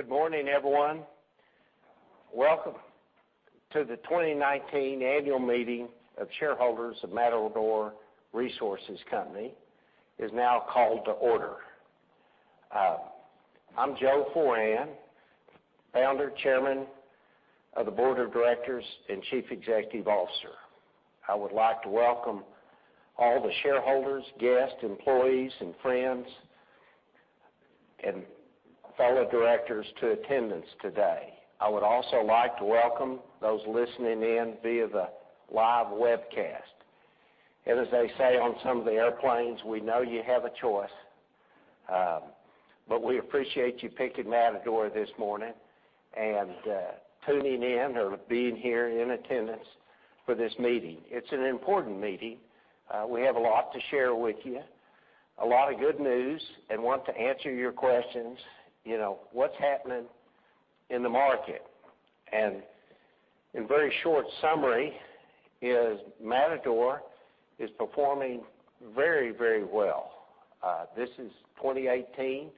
Good morning, everyone. Welcome to the 2019 Annual Meeting of Shareholders of Matador Resources Company. It is now called to order. I'm Joe Foran, founder, Chairman of the Board of Directors, and Chief Executive Officer. I would like to welcome all the shareholders, guests, employees, and friends, and fellow directors to attendance today. I would also like to welcome those listening in via the live webcast. As they say on some of the airplanes, we know you have a choice, but we appreciate you picking Matador this morning and tuning in or being here in attendance for this meeting. It's an important meeting. We have a lot to share with you, a lot of good news, and want to answer your questions. What's happening in the market? In very short summary is Matador is performing very well. 2018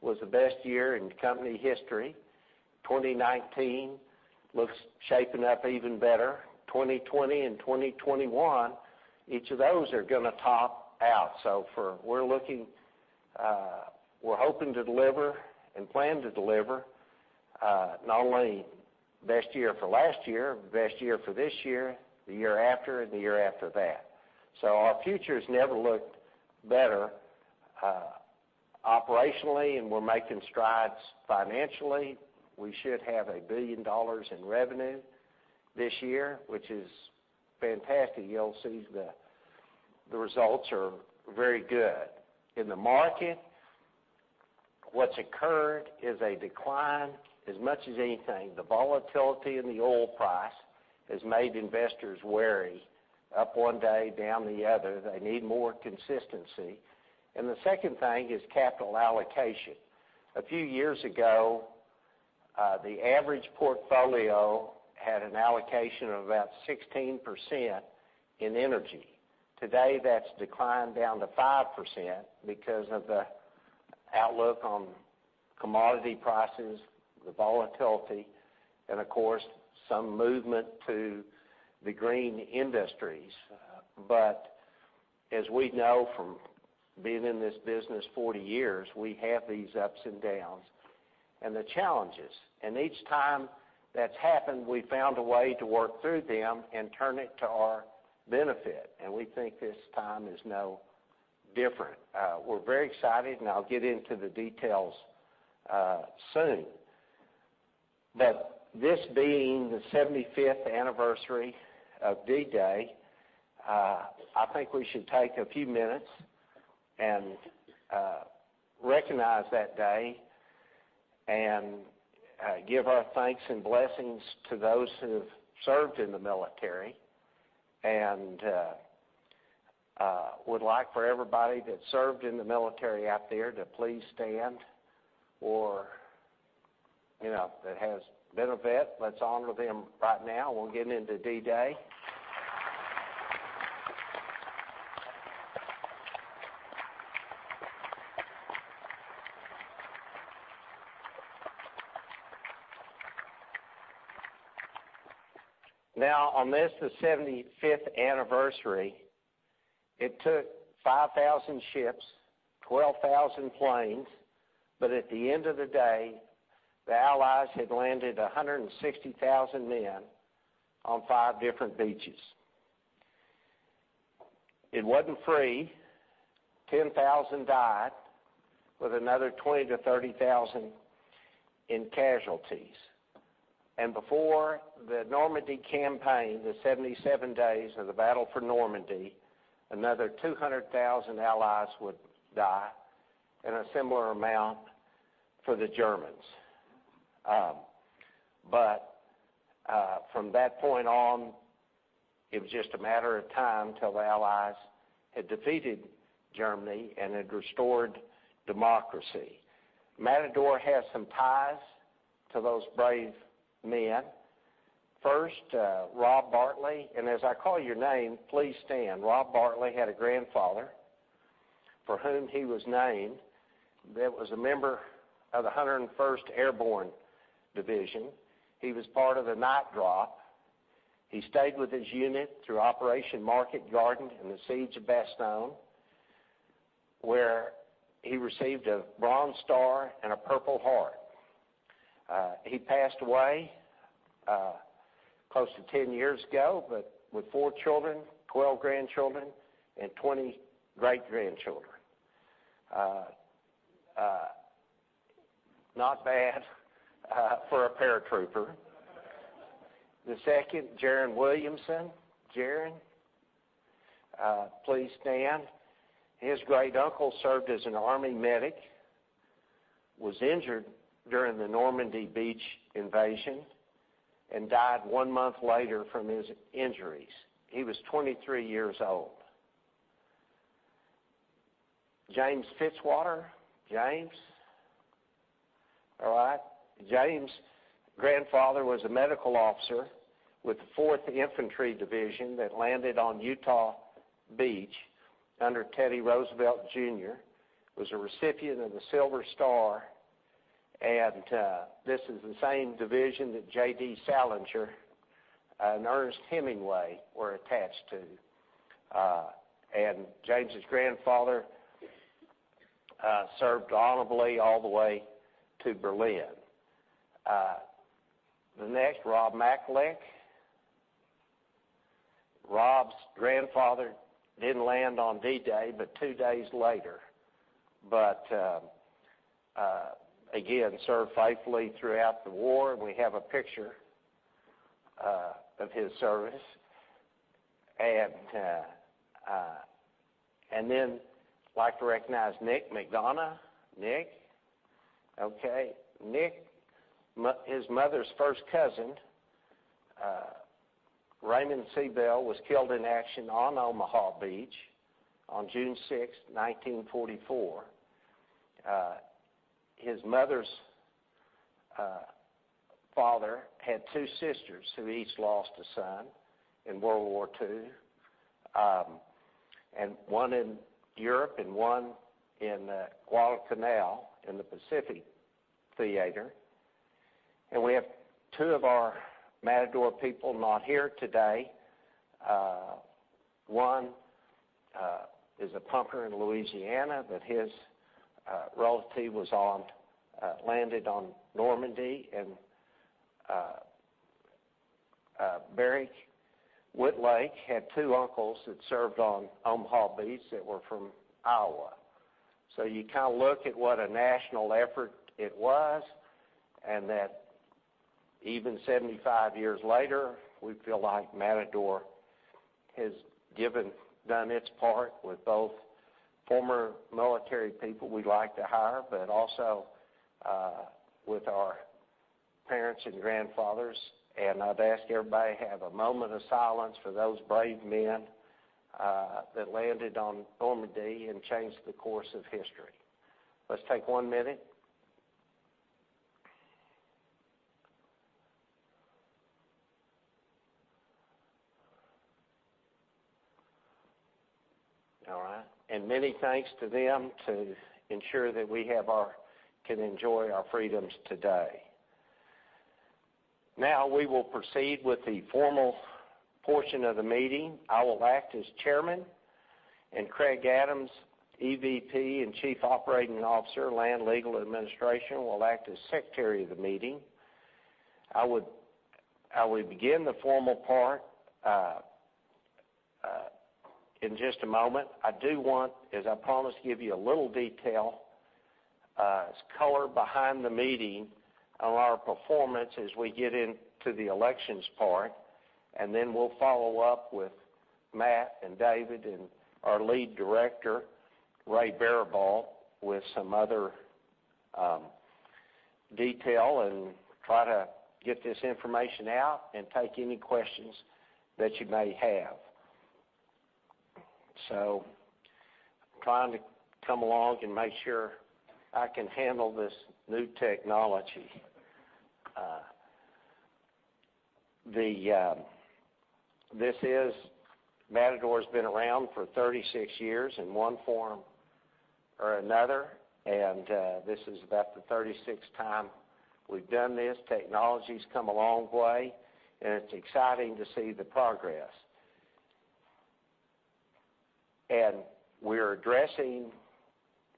was the best year in company history. 2019 looks shaping up even better. 2020 and 2021, each of those are going to top out. We're hoping to deliver and plan to deliver, not only best year for last year, but best year for this year, the year after, and the year after that. Our future's never looked better operationally, and we're making strides financially. We should have $1 billion in revenue this year, which is fantastic. You'll see the results are very good. In the market, what's occurred is a decline as much as anything. The volatility in the oil price has made investors wary. Up one day, down the other. They need more consistency. The second thing is capital allocation. A few years ago, the average portfolio had an allocation of about 16% in energy. Today, that's declined down to 5% because of the outlook on commodity prices, the volatility, and of course, some movement to the green industries. As we know from being in this business 40 years, we have these ups and downs and the challenges. Each time that's happened, we've found a way to work through them and turn it to our benefit, and we think this time is no different. We're very excited, and I'll get into the details soon. This being the 75th anniversary of D-Day, I think we should take a few minutes and recognize that day and give our thanks and blessings to those who have served in the military, and would like for everybody that served in the military out there to please stand, or that has been a vet. Let's honor them right now. We'll get into D-Day. On this, the 75th anniversary, it took 5,000 ships, 12,000 planes, but at the end of the day, the Allies had landed 160,000 men on five different beaches. It wasn't free. 10,000 died, with another 20,000 to 30,000 in casualties. Before the Normandy campaign, the 77 days of the battle for Normandy, another 200,000 Allies would die, and a similar amount for the Germans. From that point on, it was just a matter of time till the Allies had defeated Germany and had restored democracy. Matador has some ties to those brave men. First, Rob Bartley. As I call your name, please stand. Rob Bartley had a grandfather for whom he was named that was a member of the 101st Airborne Division. He was part of the night drop. He stayed with his unit through Operation Market Garden and the Siege of Bastogne, where he received a Bronze Star and a Purple Heart. He passed away close to 10 years ago, but with four children, 12 grandchildren, and 20 great-grandchildren. Not bad for a paratrooper. The second, J.C. Williamson. J.C., please stand. His great uncle served as an army medic, was injured during the Normandy Beach invasion, and died one month later from his injuries. He was 23 years old. James Fitzwater. James. All right. James' grandfather was a medical officer with the 4th Infantry Division that landed on Utah Beach. Under Theodore Roosevelt Jr., was a recipient of the Silver Star, and this is the same division that J.D. Salinger and Ernest Hemingway were attached to. James' grandfather served honorably all the way to Berlin. The next, Rob Macklin. Rob's grandfather didn't land on D-Day, but two days later. Again, served faithfully throughout the war, and we have a picture of his service. Then like to recognize Nick McDonough. Nick? Okay. Nick, his mother's first cousin, Raymond Sibel, was killed in action on Omaha Beach on June 6, 1944. His mother's father had two sisters who each lost a son in World War II, one in Europe and one in Guadalcanal in the Pacific theater. We have two of our Matador people not here today. One is a pumper in Louisiana, but his relative landed on Normandy. Barry Whitlake had two uncles that served on Omaha Beach that were from Iowa. You look at what a national effort it was, and that even 75 years later, we feel like Matador has done its part with both former military people we'd like to hire, but also with our parents and grandfathers. I'd ask everybody to have a moment of silence for those brave men that landed on Normandy and changed the course of history. Let's take one minute. All right. Many thanks to them to ensure that we can enjoy our freedoms today. We will proceed with the formal portion of the meeting. I will act as Chairman, and Craig N. Adams, Executive Vice President and Chief Operating Officer, Land, Legal, Administration, will act as Secretary of the meeting. I will begin the formal part in just a moment. I do want, as I promised, to give you a little detail as color behind the meeting on our performance as we get into the elections part, and then we'll follow up with Matt and David and our Lead Director, Ray Baribault, with some other detail and try to get this information out and take any questions that you may have. Trying to come along and make sure I can handle this new technology. Matador's been around for 36 years in one form or another, and this is about the 36th time we've done this. Technology's come a long way, and it's exciting to see the progress.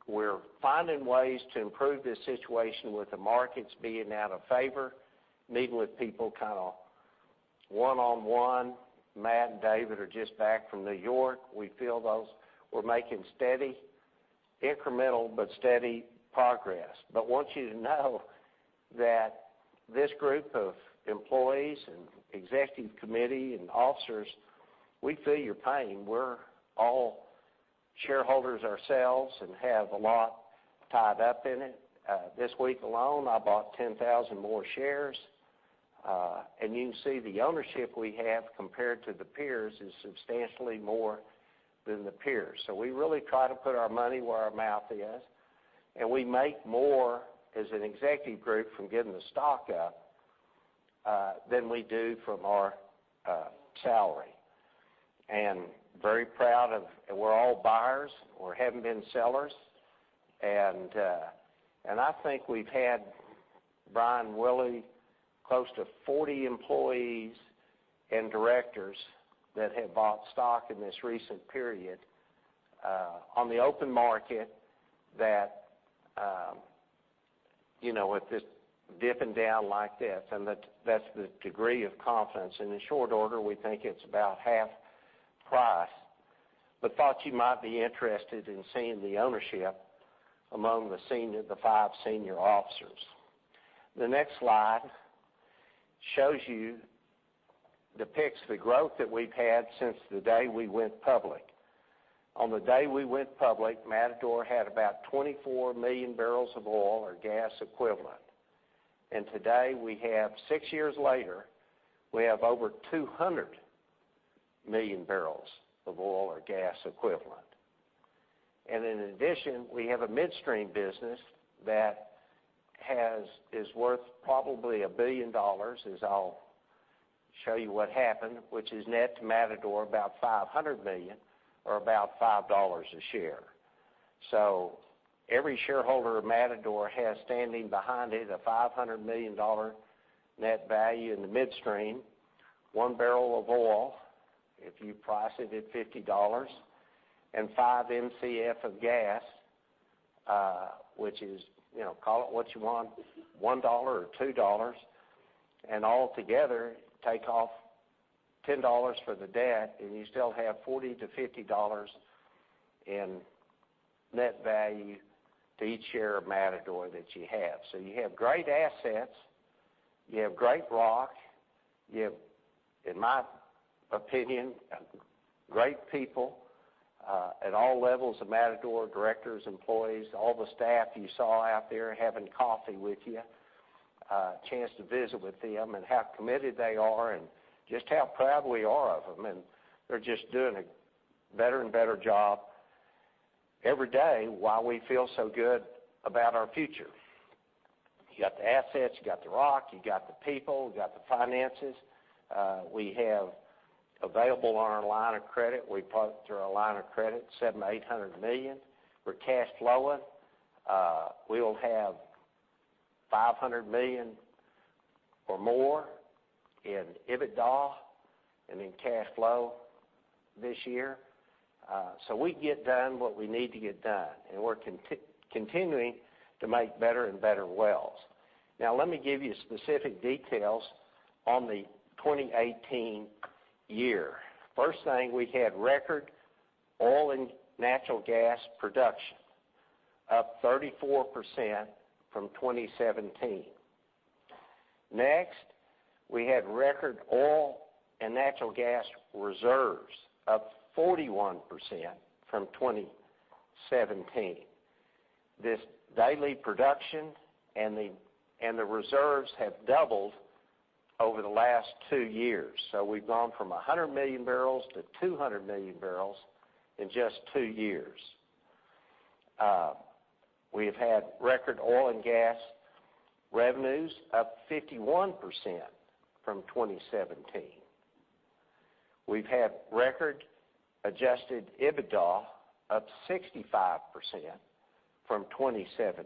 We're finding ways to improve this situation with the markets being out of favor, meeting with people one-on-one. Matt and David are just back from New York. We feel those. We're making steady, incremental, but steady progress. Want you to know that this group of employees and Executive Committee and officers, we're all shareholders ourselves and have a lot tied up in it. This week alone, I bought 10,000 more shares. You can see the ownership we have compared to the peers is substantially more than the peers. We really try to put our money where our mouth is, and we make more as an executive group from getting the stock up than we do from our salary. Very proud of, we're all buyers. We haven't been sellers. I think we've had, Brian Willey, close to 40 employees and directors that have bought stock in this recent period on the open market that with this dipping down like this, and that's the degree of confidence. In the short order, we think it's about half price. Thought you might be interested in seeing the ownership among the five senior officers. The next slide depicts the growth that we've had since the day we went public. On the day we went public, Matador had about 24 million barrels of oil or gas equivalent. Today, we have six years later, we have over 200 million barrels of oil or gas equivalent. In addition, we have a midstream business that is worth probably $1 billion. Show you what happened, which is net to Matador about $500 million or about $5 a share. Every shareholder of Matador has standing behind it a $500 million net value in the midstream, one barrel of oil, if you price it at $50, and 5 Mcf of gas which is, call it what you want, $1 or $2. Altogether take off $10 for the debt, and you still have $40-$50 in net value to each share of Matador that you have. You have great assets, you have great rock, you have, in my opinion, great people at all levels of Matador, directors, employees, all the staff you saw out there having coffee with you, chance to visit with them and how committed they are and just how proud we are of them, and they're just doing a better and better job every day while we feel so good about our future. You got the assets, you got the rock, you got the people, you got the finances. We have available on our line of credit, we parked through our line of credit, $700 million-$800 million. We're cash flowing. We will have $500 million or more in EBITDA and in cash flow this year. We get done what we need to get done, and we're continuing to make better and better wells. Let me give you specific details on the 2018 year. First thing, we had record oil and natural gas production, up 34% from 2017. Next, we had record oil and natural gas reserves, up 41% from 2017. This daily production and the reserves have doubled over the last two years. We've gone from 100 million barrels to 200 million barrels in just two years. We have had record oil and gas revenues up 51% from 2017. We've had record adjusted EBITDA up 65% from 2017.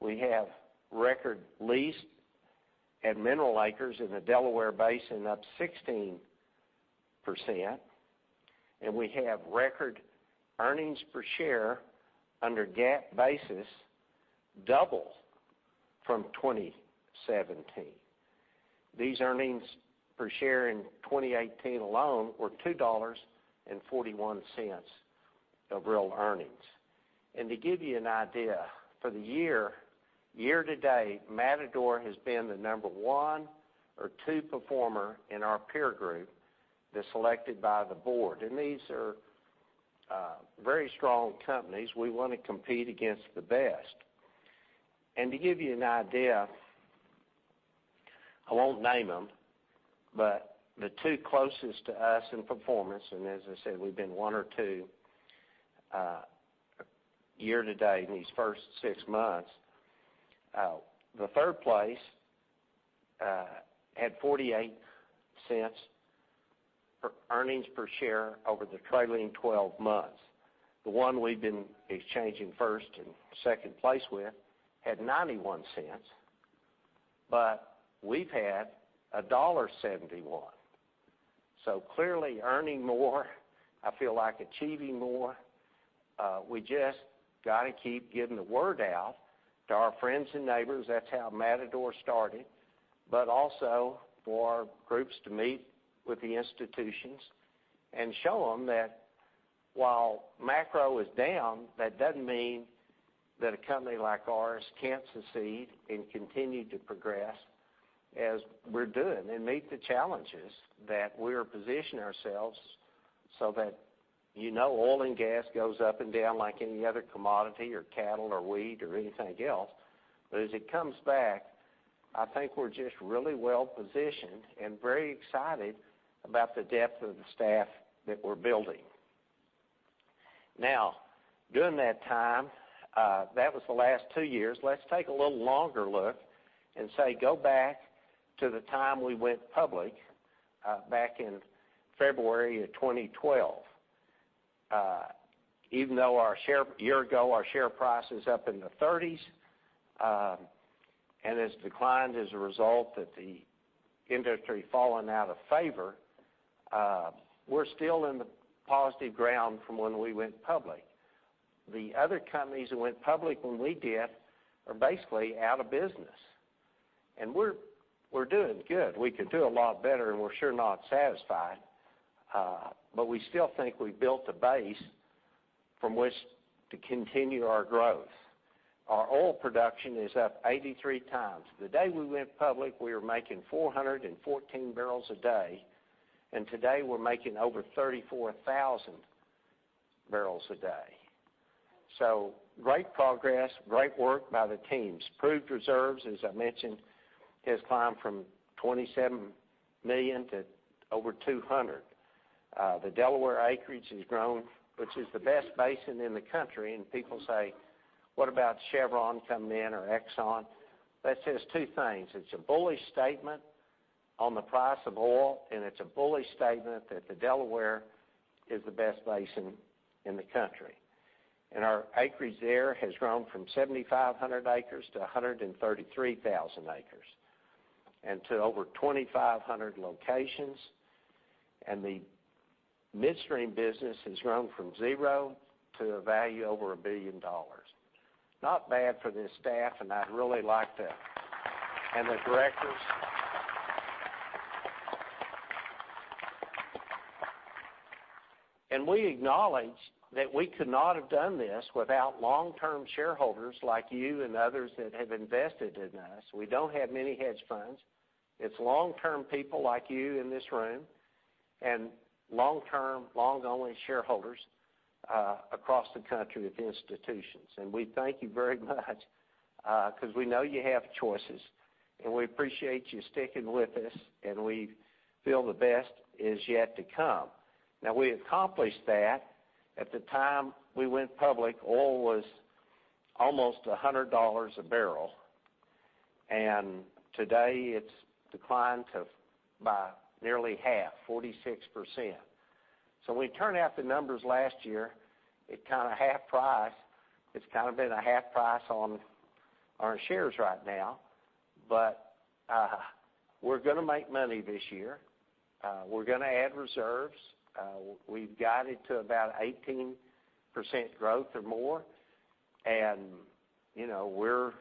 We have record leased and mineral acres in the Delaware Basin up 16%, and we have record earnings per share under GAAP basis double from 2017. These earnings per share in 2018 alone were $2.41 of real earnings. To give you an idea for the year to date, Matador has been the number 1 or 2 performer in our peer group that's selected by the board. These are very strong companies. We want to compete against the best. To give you an idea, I won't name them, but the two closest to us in performance, and as I said, we've been 1 or 2 year to date in these first six months. The third place had $0.48 earnings per share over the trailing 12 months. The one we've been exchanging first and second place with had $0.91, but we've had $1.71. Clearly earning more, I feel like achieving more. We just got to keep getting the word out to our friends and neighbors. That's how Matador started, but also for our groups to meet with the institutions and show them that while macro is down, that doesn't mean that a company like ours can't succeed and continue to progress as we're doing and meet the challenges that we're positioning ourselves so that you know oil and gas goes up and down like any other commodity or cattle or wheat or anything else. As it comes back, I think we're just really well-positioned and very excited about the depth of the staff that we're building. Now, during that time, that was the last two years. Let's take a little longer look and say go back to the time we went public back in February of 2012. Even though a year ago our share price is up in the 30s and has declined as a result of the industry falling out of favor, we're still in the positive ground from when we went public. The other companies that went public when we did are basically out of business, and we're doing good. We could do a lot better, and we're sure not satisfied. We still think we built a base from which to continue our growth. Our oil production is up 83 times. The day we went public, we were making 414 barrels a day, and today we're making over 34,000 barrels a day. Great progress, great work by the teams. Proved reserves, as I mentioned, has climbed from 27 million to over 200. The Delaware acreage has grown, which is the best basin in the country. People say, "What about Chevron coming in or Exxon?" That says two things. It's a bullish statement on the price of oil, and it's a bullish statement that the Delaware is the best basin in the country. Our acreage there has grown from 7,500 acres to 133,000 acres and to over 2,500 locations. The midstream business has grown from zero to a value over $1 billion. Not bad for this staff. The directors. We acknowledge that we could not have done this without long-term shareholders like you and others that have invested in us. We don't have many hedge funds. It's long-term people like you in this room and long-term, long-only shareholders across the country with institutions. We thank you very much, because we know you have choices, we appreciate you sticking with us, we feel the best is yet to come. We accomplished that. At the time we went public, oil was almost $100 a barrel, and today it's declined by nearly half, 46%. When we turn out the numbers last year, it kind of half price. It's kind of been a half price on our shares right now. We're going to make money this year. We're going to add reserves. We've guided to about 18% growth or more, and we're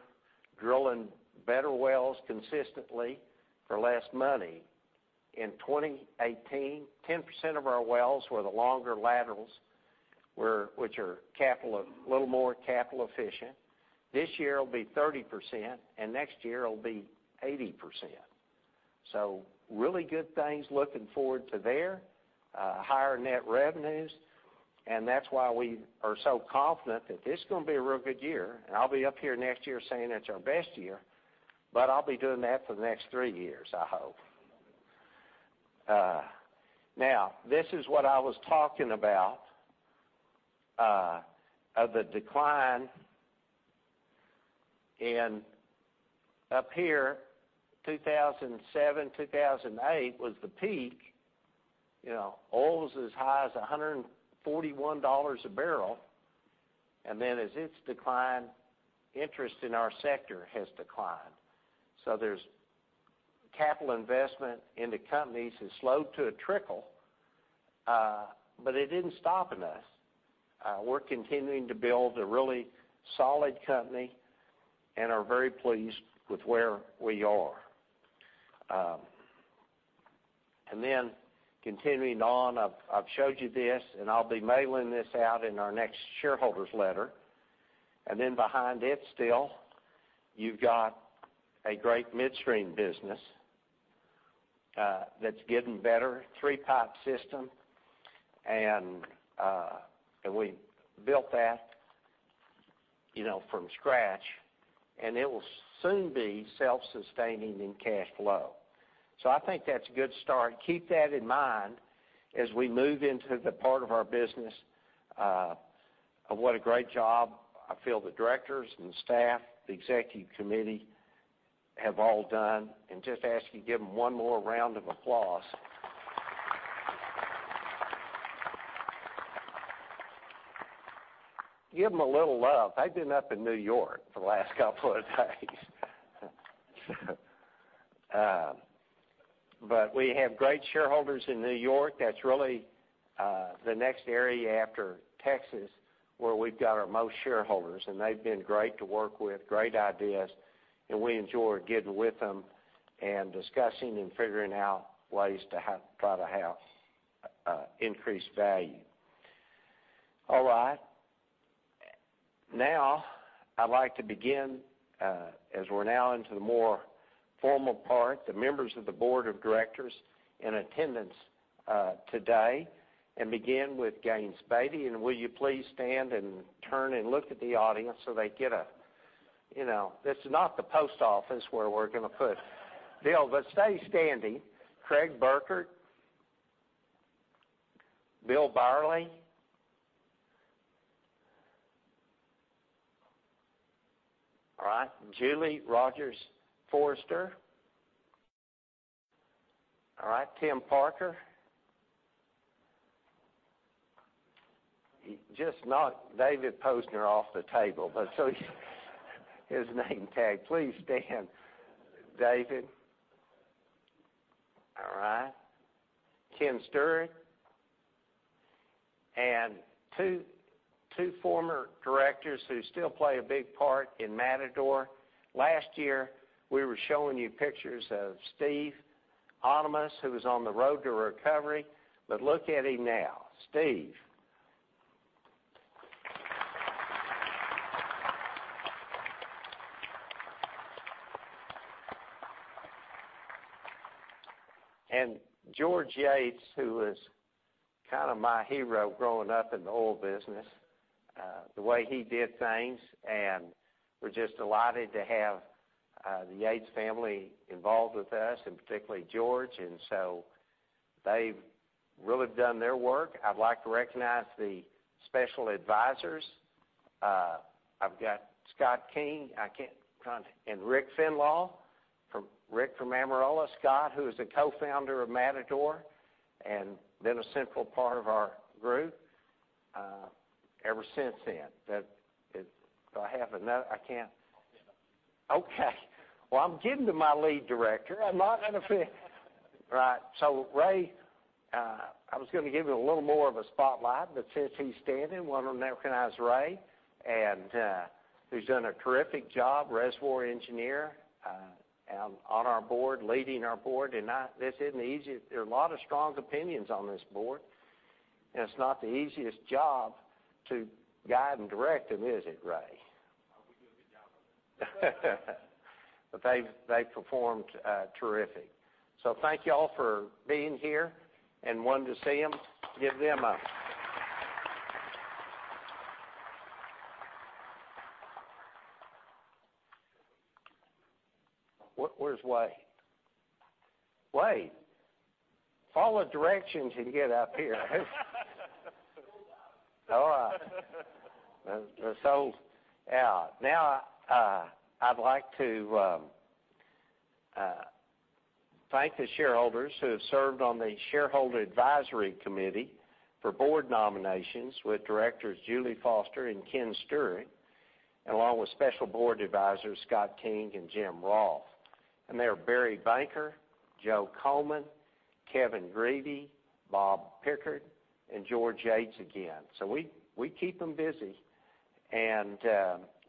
drilling better wells consistently for less money. In 2018, 10% of our wells were the longer laterals, which are a little more capital efficient. This year it'll be 30%, and next year it'll be 80%. Really good things looking forward to there. Higher net revenues, that's why we are so confident that this is going to be a real good year. I'll be up here next year saying it's our best year, I'll be doing that for the next three years, I hope. This is what I was talking about, of the decline. Up here, 2007, 2008 was the peak. Oil was as high as $141 a barrel, as it's declined, interest in our sector has declined. There's capital investment into companies has slowed to a trickle, it didn't stop in us. We're continuing to build a really solid company and are very pleased with where we are. Continuing on, I've showed you this, I'll be mailing this out in our next shareholders letter. Behind it still, you've got a great midstream business that's getting better. Three-pipe system, we built that from scratch, it will soon be self-sustaining in cash flow. I think that's a good start. Keep that in mind as we move into the part of our business of what a great job I feel the directors and staff, the executive committee have all done and just ask you give them one more round of applause. Give them a little love. They've been up in New York for the last couple of days. We have great shareholders in New York. That's really the next area after Texas, where we've got our most shareholders, they've been great to work with, great ideas, and we enjoy getting with them and discussing and figuring out ways to try to have increased value. All right. I'd like to begin, as we're now into the more formal part, the members of the board of directors in attendance today and begin with Gaines Baty. Will you please stand and turn and look at the audience so they get a This is not the post office where we're going to put Bill, but stay standing. Craig Burkert. Bill Byerley. All right. Julie Rogers Forrester. All right. Tim Parker. He just knocked David Posner off the table, so his name tag. Please stand, David. All right. [Ken Stewart]. Two former directors who still play a big part in Matador. Last year, we were showing you pictures of Steve [Anemas], who was on the road to recovery. Look at him now. Steve. George Yates, who was kind of my hero growing up in the oil business. The way he did things, and we're just delighted to have the Yates family involved with us, and particularly George. They've really done their work. I'd like to recognize the special advisors. I've got Scott King and Rick Fenlaw. Rick from Amarillo. Scott, who is a co-founder of Matador, and been a central part of our group ever since then. Do I have another? Yeah. Well, I'm getting to my lead director. I'm not going to forget. Right. Ray, I was going to give you a little more of a spotlight, but since he's standing, why don't I recognize Ray, who's done a terrific job, reservoir engineer, on our board, leading our board. This isn't easy. There are a lot of strong opinions on this board, and it's not the easiest job to guide and direct them. Is it, Ray? We do a good job of it. They've performed terrific. Thank you all for being here and wanting to see him. Where's Wade? Wade, follow directions and get up here. All right. Now I'd like to thank the shareholders who have served on the shareholder advisory committee for board nominations, with directors Julie Foster and Ken Steury, along with special board advisors Scott King and Jim Rolfe. They are Barry Banker, Joe Coleman, Kevin Grevey, Bob Pickard, and George Yates again. We keep them busy, and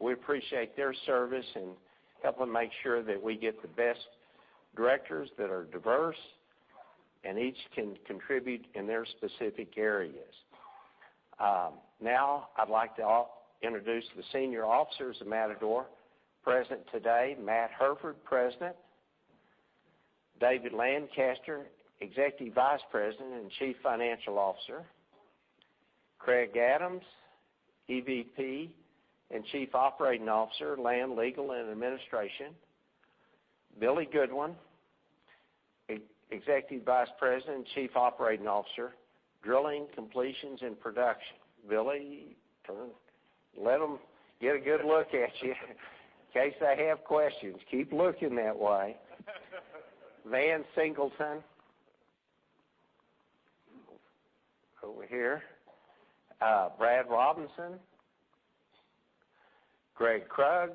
we appreciate their service in helping make sure that we get the best directors that are diverse and each can contribute in their specific areas. Now I'd like to introduce the senior officers of Matador present today. Matt Hairford, president. David Lancaster, Executive Vice President and Chief Financial Officer. Craig Adams, EVP and Chief Operating Officer, Land, Legal, and Administration. Billy Goodwin, Executive Vice President and Chief Operating Officer, Drilling, Completions, and Production. Billy, turn. Let them get a good look at you in case they have questions. Keep looking that way. Van Singleton over here. Brad Robinson. Gregg Krug.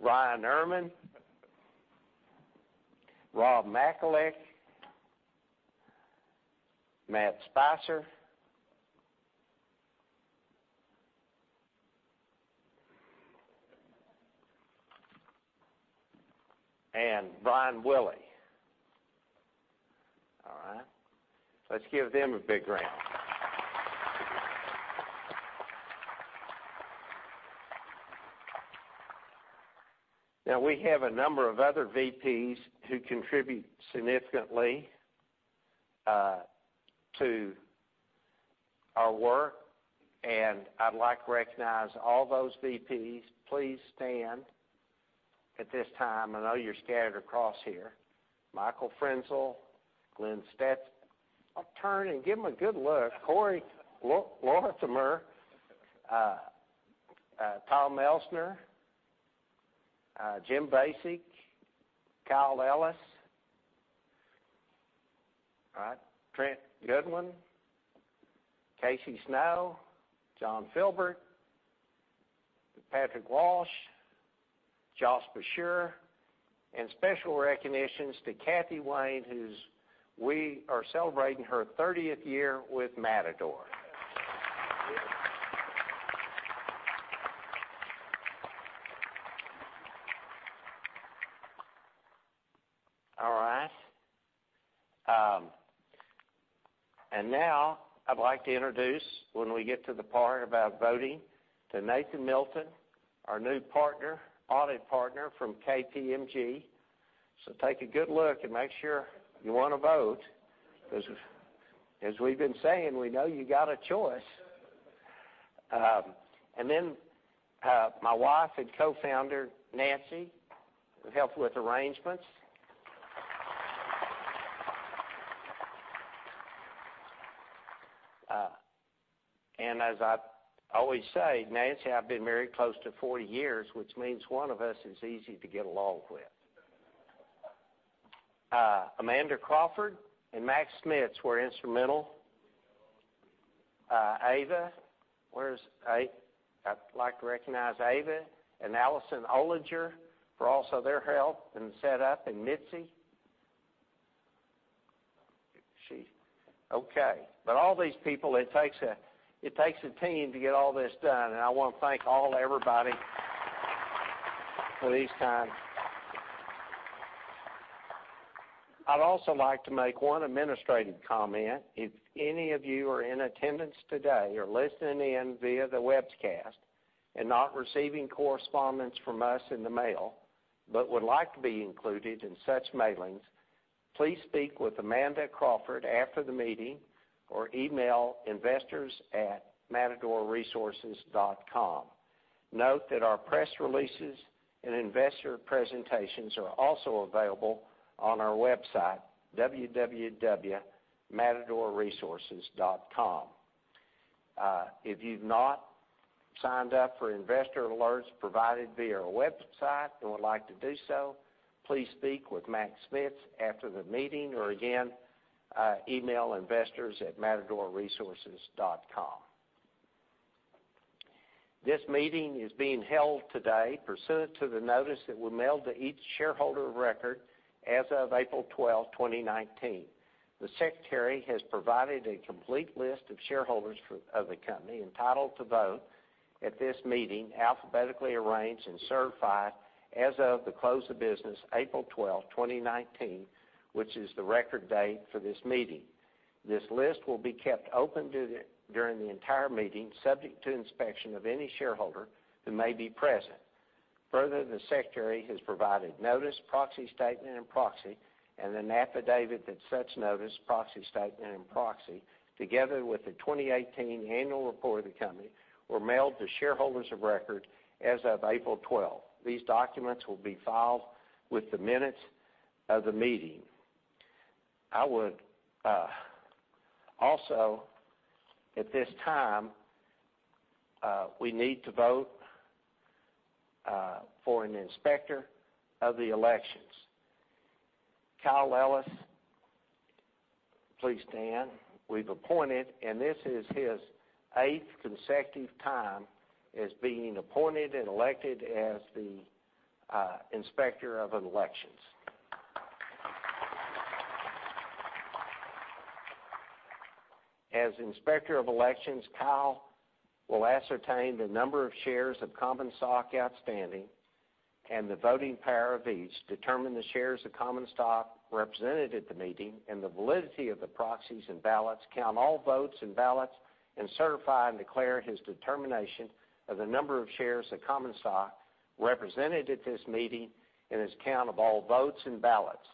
Bryan Erman. Rob Macalik. Matt Spicer. Brian Willey. Let's give them a big round. We have a number of other VPs who contribute significantly to our work, and I'd like to recognize all those VPs. Please stand at this time. I know you're scattered across here. Michael Frenzel, Glenn, turn and give them a good look. Cory Lorimer. Tom Elsener. Jim Vacek. Kyle Ellis. All right. Trey Goodwin. Casey Snow. John Filbert. Patrick Walsh. Josh Bussiere. Special recognitions to Kathy Wayne, we are celebrating her 30th year with Matador. All right. I'd like to introduce, when we get to the part about voting, to Nathan Milton, our new audit partner from KPMG. Take a good look and make sure you want to vote because as we've been saying, we know you got a choice. Then my wife and co-founder, Nancy, who helped with arrangements. As I always say, Nancy, I've been married close to 40 years, which means one of us is easy to get along with. Amanda Crawford and Mac Schmitz were instrumental. Ava. I'd like to recognize Ava and Allison Ollinger for also their help in set up, and Mitzi. Okay. All these people, it takes a team to get all this done, and I want to thank all, everybody for these times. I'd also like to make one administrative comment. If any of you are in attendance today or listening in via the webcast and not receiving correspondence from us in the mail, but would like to be included in such mailings, please speak with Amanda Crawford after the meeting or email investors@matadorresources.com. Note that our press releases and investor presentations are also available on our website, www.matadorresources.com. If you've not signed up for investor alerts provided via our website and would like to do so, please speak with Mac Schmitz after the meeting or again, email investors@matadorresources.com. This meeting is being held today pursuant to the notice that we mailed to each shareholder of record as of April 12, 2019. The secretary has provided a complete list of shareholders of the company entitled to vote at this meeting, alphabetically arranged and certified as of the close of business April 12, 2019, which is the record date for this meeting. This list will be kept open during the entire meeting, subject to inspection of any shareholder who may be present. Further, the secretary has provided notice, proxy statement and proxy, and an affidavit that such notice, proxy statement and proxy, together with the 2018 annual report of the company, were mailed to shareholders of record as of April 12. These documents will be filed with the minutes of the meeting. At this time, we need to vote for an inspector of the elections. Kyle Ellis, please stand. We've appointed, and this is his eighth consecutive time as being appointed and elected as the inspector of elections. As inspector of elections, Kyle will ascertain the number of shares of common stock outstanding and the voting power of each, determine the shares of common stock represented at the meeting, and the validity of the proxies and ballots, count all votes and ballots, and certify and declare his determination of the number of shares of common stock represented at this meeting in his count of all votes and ballots.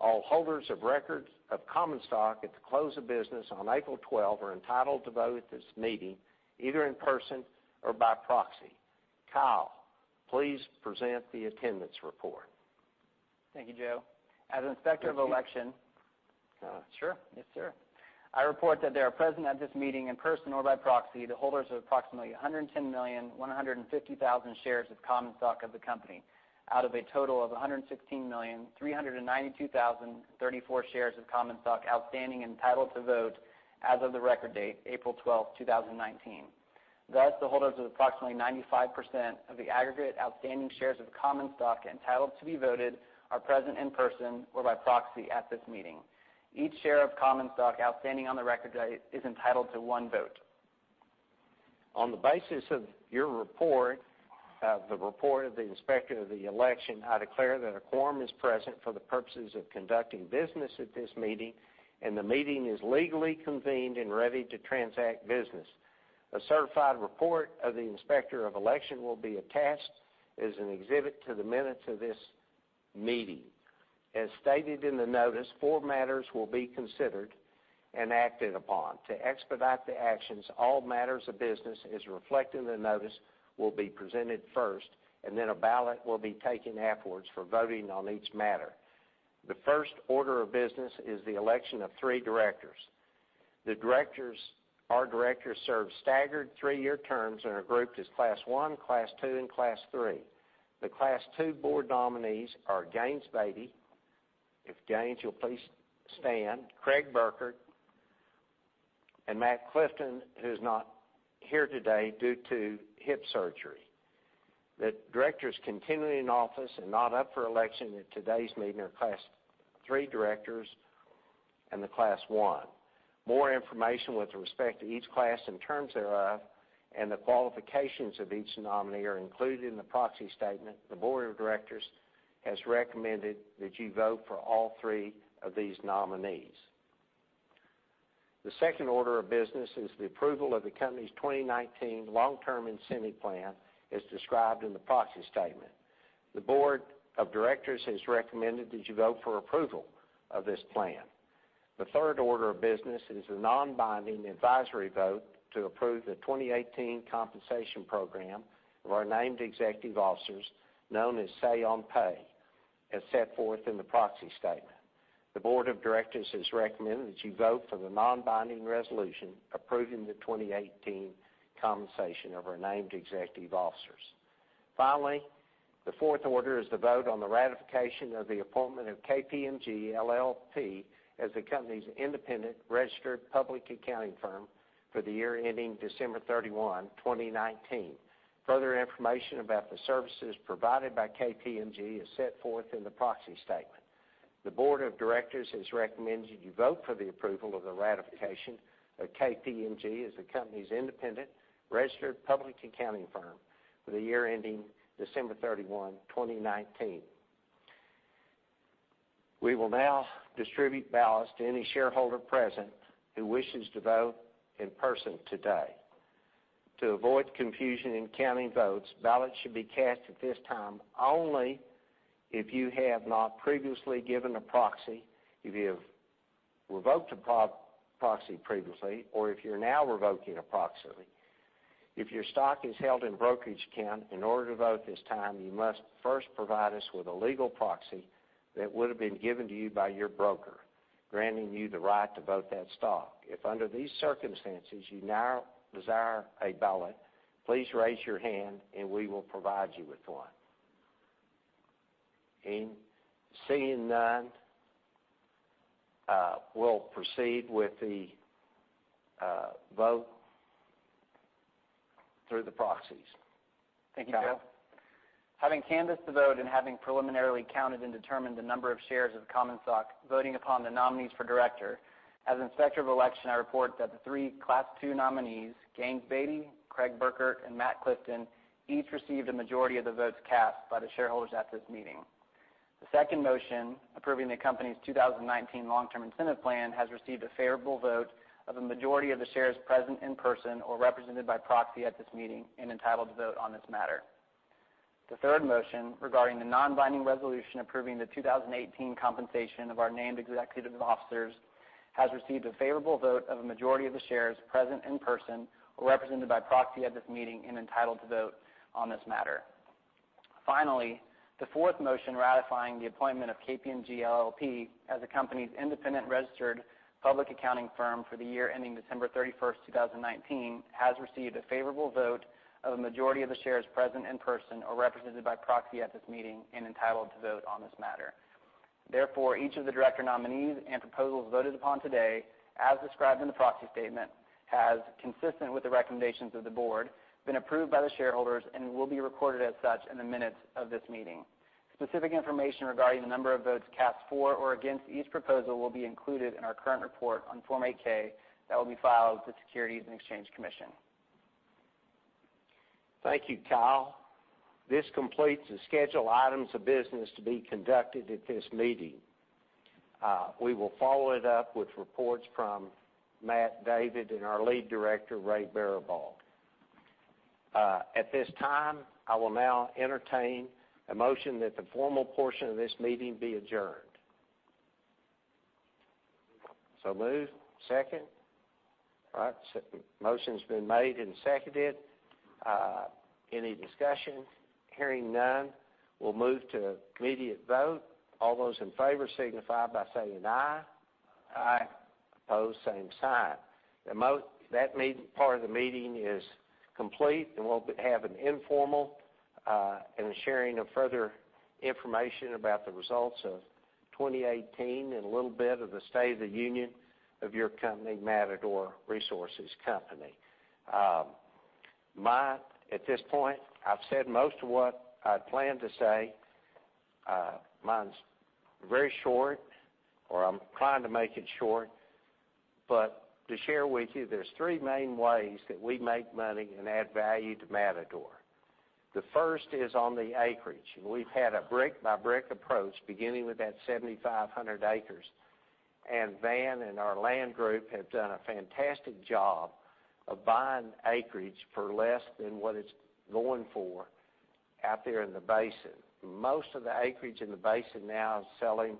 All holders of record of common stock at the close of business on April 12 are entitled to vote at this meeting, either in person or by proxy. Kyle, please present the attendance report. Thank you, Joe. Thank you. As Inspector of Election. Sure. Yes, sir. I report that they are present at this meeting in person or by proxy, the holders of approximately 110,150,000 shares of common stock of the company out of a total of 116,392,034 shares of common stock outstanding entitled to vote as of the record date, April 12, 2019. Thus, the holders of approximately 95% of the aggregate outstanding shares of common stock entitled to be voted are present in person or by proxy at this meeting. Each share of common stock outstanding on the record date is entitled to one vote. On the basis of your report, the report of the Inspector of the Election, I declare that a quorum is present for the purposes of conducting business at this meeting, and the meeting is legally convened and ready to transact business. A certified report of the Inspector of Election will be attached as an exhibit to the minutes of this meeting. As stated in the notice, four matters will be considered and acted upon. To expedite the actions, all matters of business, as reflected in the notice, will be presented first, then a ballot will be taken afterwards for voting on each matter. The first order of business is the election of three directors. Our directors serve staggered three-year terms and are grouped as Class One, Class Two, and Class Three. The Class Two board nominees are Gaines Baty. If Gaines, you'll please stand. Craig Burkert, Matt Clifton, who's not here today due to hip surgery. The directors continuing in office and not up for election at today's meeting are Class Three directors and the Class One. More information with respect to each class and terms thereof, and the qualifications of each nominee are included in the proxy statement. The board of directors has recommended that you vote for all three of these nominees. The second order of business is the approval of the company's 2019 long-term incentive plan as described in the proxy statement. The board of directors has recommended that you vote for approval of this plan. The third order of business is a non-binding advisory vote to approve the 2018 compensation program of our named executive officers, known as Say on Pay, as set forth in the proxy statement. The board of directors has recommended that you vote for the non-binding resolution approving the 2018 compensation of our named executive officers. The fourth order is the vote on the ratification of the appointment of KPMG LLP as the company's independent registered public accounting firm for the year ending December 31, 2019. Further information about the services provided by KPMG is set forth in the proxy statement. The board of directors has recommended you vote for the approval of the ratification of KPMG as the company's independent registered public accounting firm for the year ending December 31, 2019. We will now distribute ballots to any shareholder present who wishes to vote in person today. To avoid confusion in counting votes, ballots should be cast at this time only if you have not previously given a proxy, if you have revoked a proxy previously, or if you're now revoking a proxy. If your stock is held in a brokerage account, in order to vote at this time, you must first provide us with a legal proxy that would've been given to you by your broker, granting you the right to vote that stock. If under these circumstances you now desire a ballot, please raise your hand and we will provide you with one. Seeing none, we'll proceed with the vote through the proxies. Thank you, Bill. Having canvassed the vote and having preliminarily counted and determined the number of shares of common stock voting upon the nominees for director, as Inspector of Election, I report that the 3 Class II nominees, Gaines Baty, Craig Burkert, and Matt Clifton, each received a majority of the votes cast by the shareholders at this meeting. The second motion approving the company's 2019 long-term incentive plan has received a favorable vote of a majority of the shares present in person or represented by proxy at this meeting and entitled to vote on this matter. The third motion regarding the non-binding resolution approving the 2018 compensation of our named executive officers has received a favorable vote of a majority of the shares present in person or represented by proxy at this meeting and entitled to vote on this matter. The fourth motion ratifying the appointment of KPMG LLP as the company's independent registered public accounting firm for the year ending December 31st, 2019, has received a favorable vote of a majority of the shares present in person or represented by proxy at this meeting and entitled to vote on this matter. Each of the director nominees and proposals voted upon today, as described in the proxy statement, has, consistent with the recommendations of the board, been approved by the shareholders and will be recorded as such in the minutes of this meeting. Specific information regarding the number of votes cast for or against each proposal will be included in our current report on Form 8-K that will be filed with the Securities and Exchange Commission. Thank you, Kyle. This completes the scheduled items of business to be conducted at this meeting. We will follow it up with reports from Matt David and our Lead Director, Ray Baribault. At this time, I will now entertain a motion that the formal portion of this meeting be adjourned. So moved. Second? All right. Motion's been made and seconded. Any discussion? Hearing none, we'll move to immediate vote. All those in favor signify by saying aye. Aye. Opposed, same sign. That part of the meeting is complete. We'll have an informal and sharing of further information about the results of 2018 and a little bit of the state of the union of your company, Matador Resources Company. At this point, I've said most of what I'd planned to say. Mine's very short, or I'm trying to make it short. To share with you, there's three main ways that we make money and add value to Matador. The first is on the acreage, and we've had a brick-by-brick approach beginning with that 7,500 acres. Van and our land group have done a fantastic job of buying acreage for less than what it's going for out there in the basin. Most of the acreage in the basin now is selling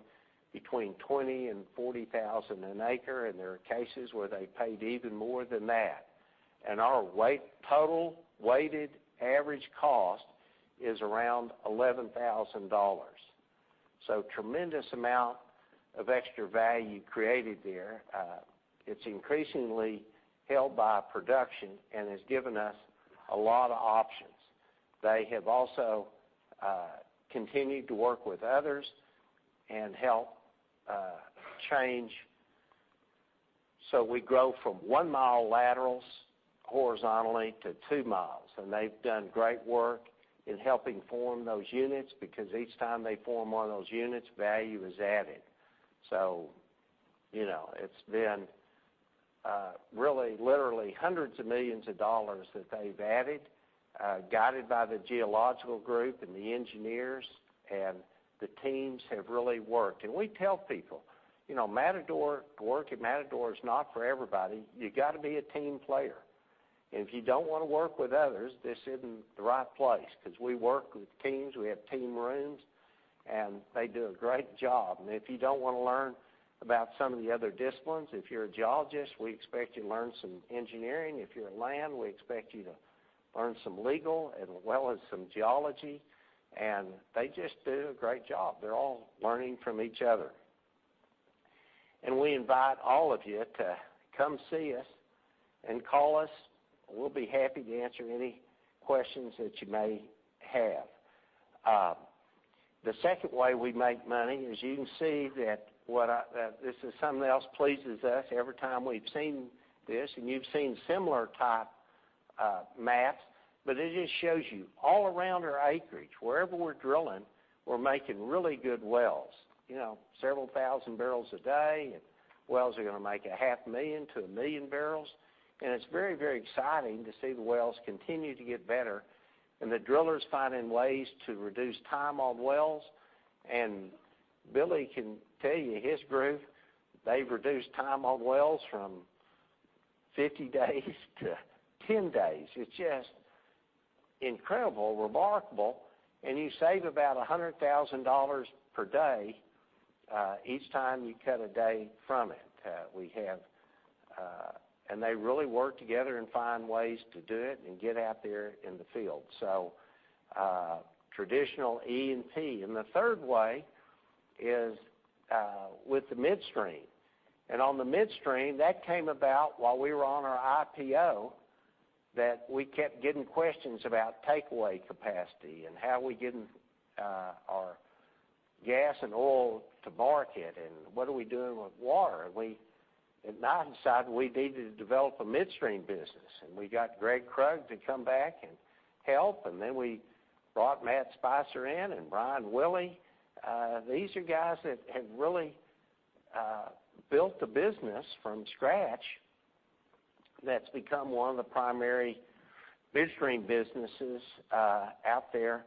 between $20,000 and $40,000 an acre, and there are cases where they paid even more than that. Our total weighted average cost is around $11,000. Tremendous amount of extra value created there. It's increasingly held by production and has given us a lot of options. They have also continued to work with others and help change, so we grow from one-mile laterals horizontally to two miles, and they've done great work in helping form those units because each time they form one of those units, value is added. It's been really literally hundreds of millions of dollars that they've added, guided by the geological group and the engineers, and the teams have really worked. We tell people, work at Matador is not for everybody. You got to be a team player. If you don't want to work with others, this isn't the right place because we work with teams. We have team rooms. They do a great job. If you don't want to learn about some of the other disciplines, if you're a geologist, we expect you to learn some engineering. If you're land, we expect you to learn some legal as well as some geology. They just do a great job. They're all learning from each other. We invite all of you to come see us and call us. We'll be happy to answer any questions that you may have. The second way we make money is you can see that this is something else pleases us every time we've seen this, and you've seen similar type maps, but it just shows you all around our acreage, wherever we're drilling, we're making really good wells. Several thousand barrels a day, and wells are going to make a half million to 1 million barrels, and it's very exciting to see the wells continue to get better and the drillers finding ways to reduce time on wells. Billy can tell you, his group, they've reduced time on wells from 50 days to 10 days. It's just incredible, remarkable, and you save about $100,000 per day each time you cut a day from it. They really work together and find ways to do it and get out there in the field. Traditional E&P. The third way is with the midstream. On the midstream, that came about while we were on our IPO, that we kept getting questions about takeaway capacity and how we're getting our gas and oil to market, and what are we doing with water. I decided we needed to develop a midstream business, and we got Gregg Krug to come back and help. Then we brought Matt Spicer in and Bryan Willey. These are guys that have really built a business from scratch that's become one of the primary midstream businesses out there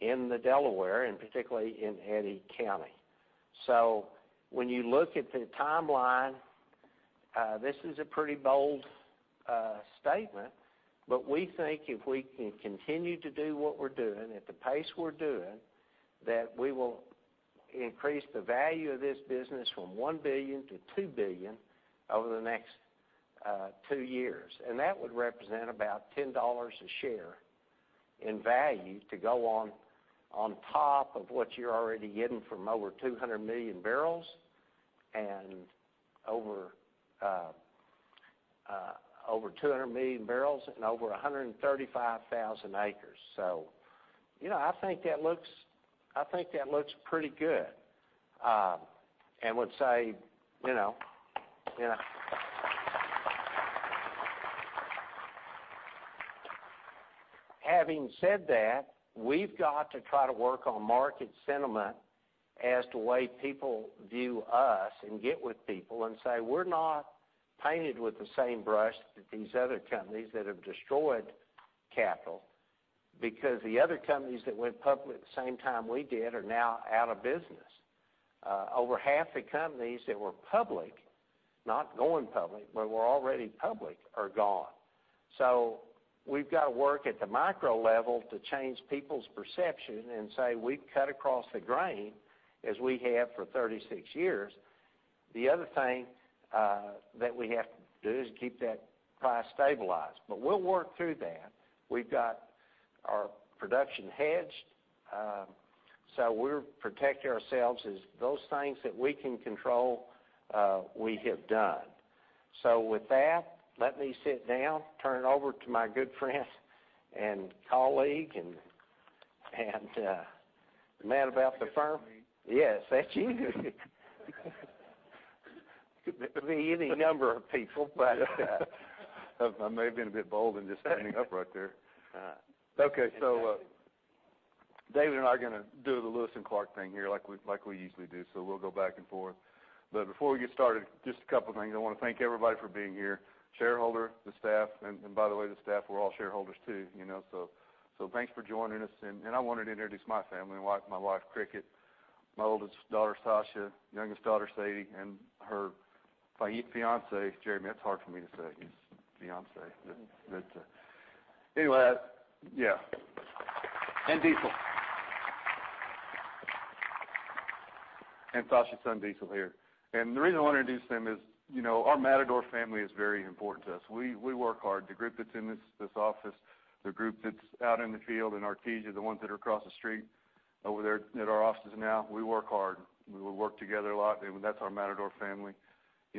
in the Delaware, and particularly in Eddy County. When you look at the timeline, this is a pretty bold statement, but we think if we can continue to do what we're doing at the pace we're doing, that we will increase the value of this business from $1 billion to $2 billion over the next two years. That would represent about $10 a share in value to go on top of what you're already getting from over 200 million barrels and over 135,000 acres. I think that looks pretty good, and would say, you know. Having said that, we've got to try to work on market sentiment as to the way people view us and get with people and say, we're not painted with the same brush as these other companies that have destroyed capital because the other companies that went public the same time we did are now out of business. Over half the companies that were public, not going public, but were already public, are gone. We've got to work at the micro level to change people's perception and say, we cut across the grain as we have for 36 years. The other thing that we have to do is keep that price stabilized. We'll work through that. We've got our production hedged. We're protecting ourselves as those things that we can control, we have done. With that, let me sit down, turn it over to my good friend and colleague and the man about the firm. That's me. Yes, that's you. Could be any number of people, but I may have been a bit bold in just standing up right there. Okay. David and I are going to do the Lewis and Clark thing here like we usually do, so we'll go back and forth. Before we get started, just a couple of things. I want to thank everybody for being here, shareholder, the staff, and by the way, the staff, we're all shareholders too, so thanks for joining us. I wanted to introduce my family, my wife, Cricket, my oldest daughter, Sasha, youngest daughter, Sadie, and her fiancé, Jeremy. That's hard for me to say, fiancé. Anyway, yeah. Diesel. Sasha's son, Diesel, here. The reason I want to introduce them is our Matador family is very important to us. We work hard. The group that's in this office, the group that's out in the field in Artesia, the ones that are across the street over there at our offices now, we work hard. We work together a lot. That's our Matador family.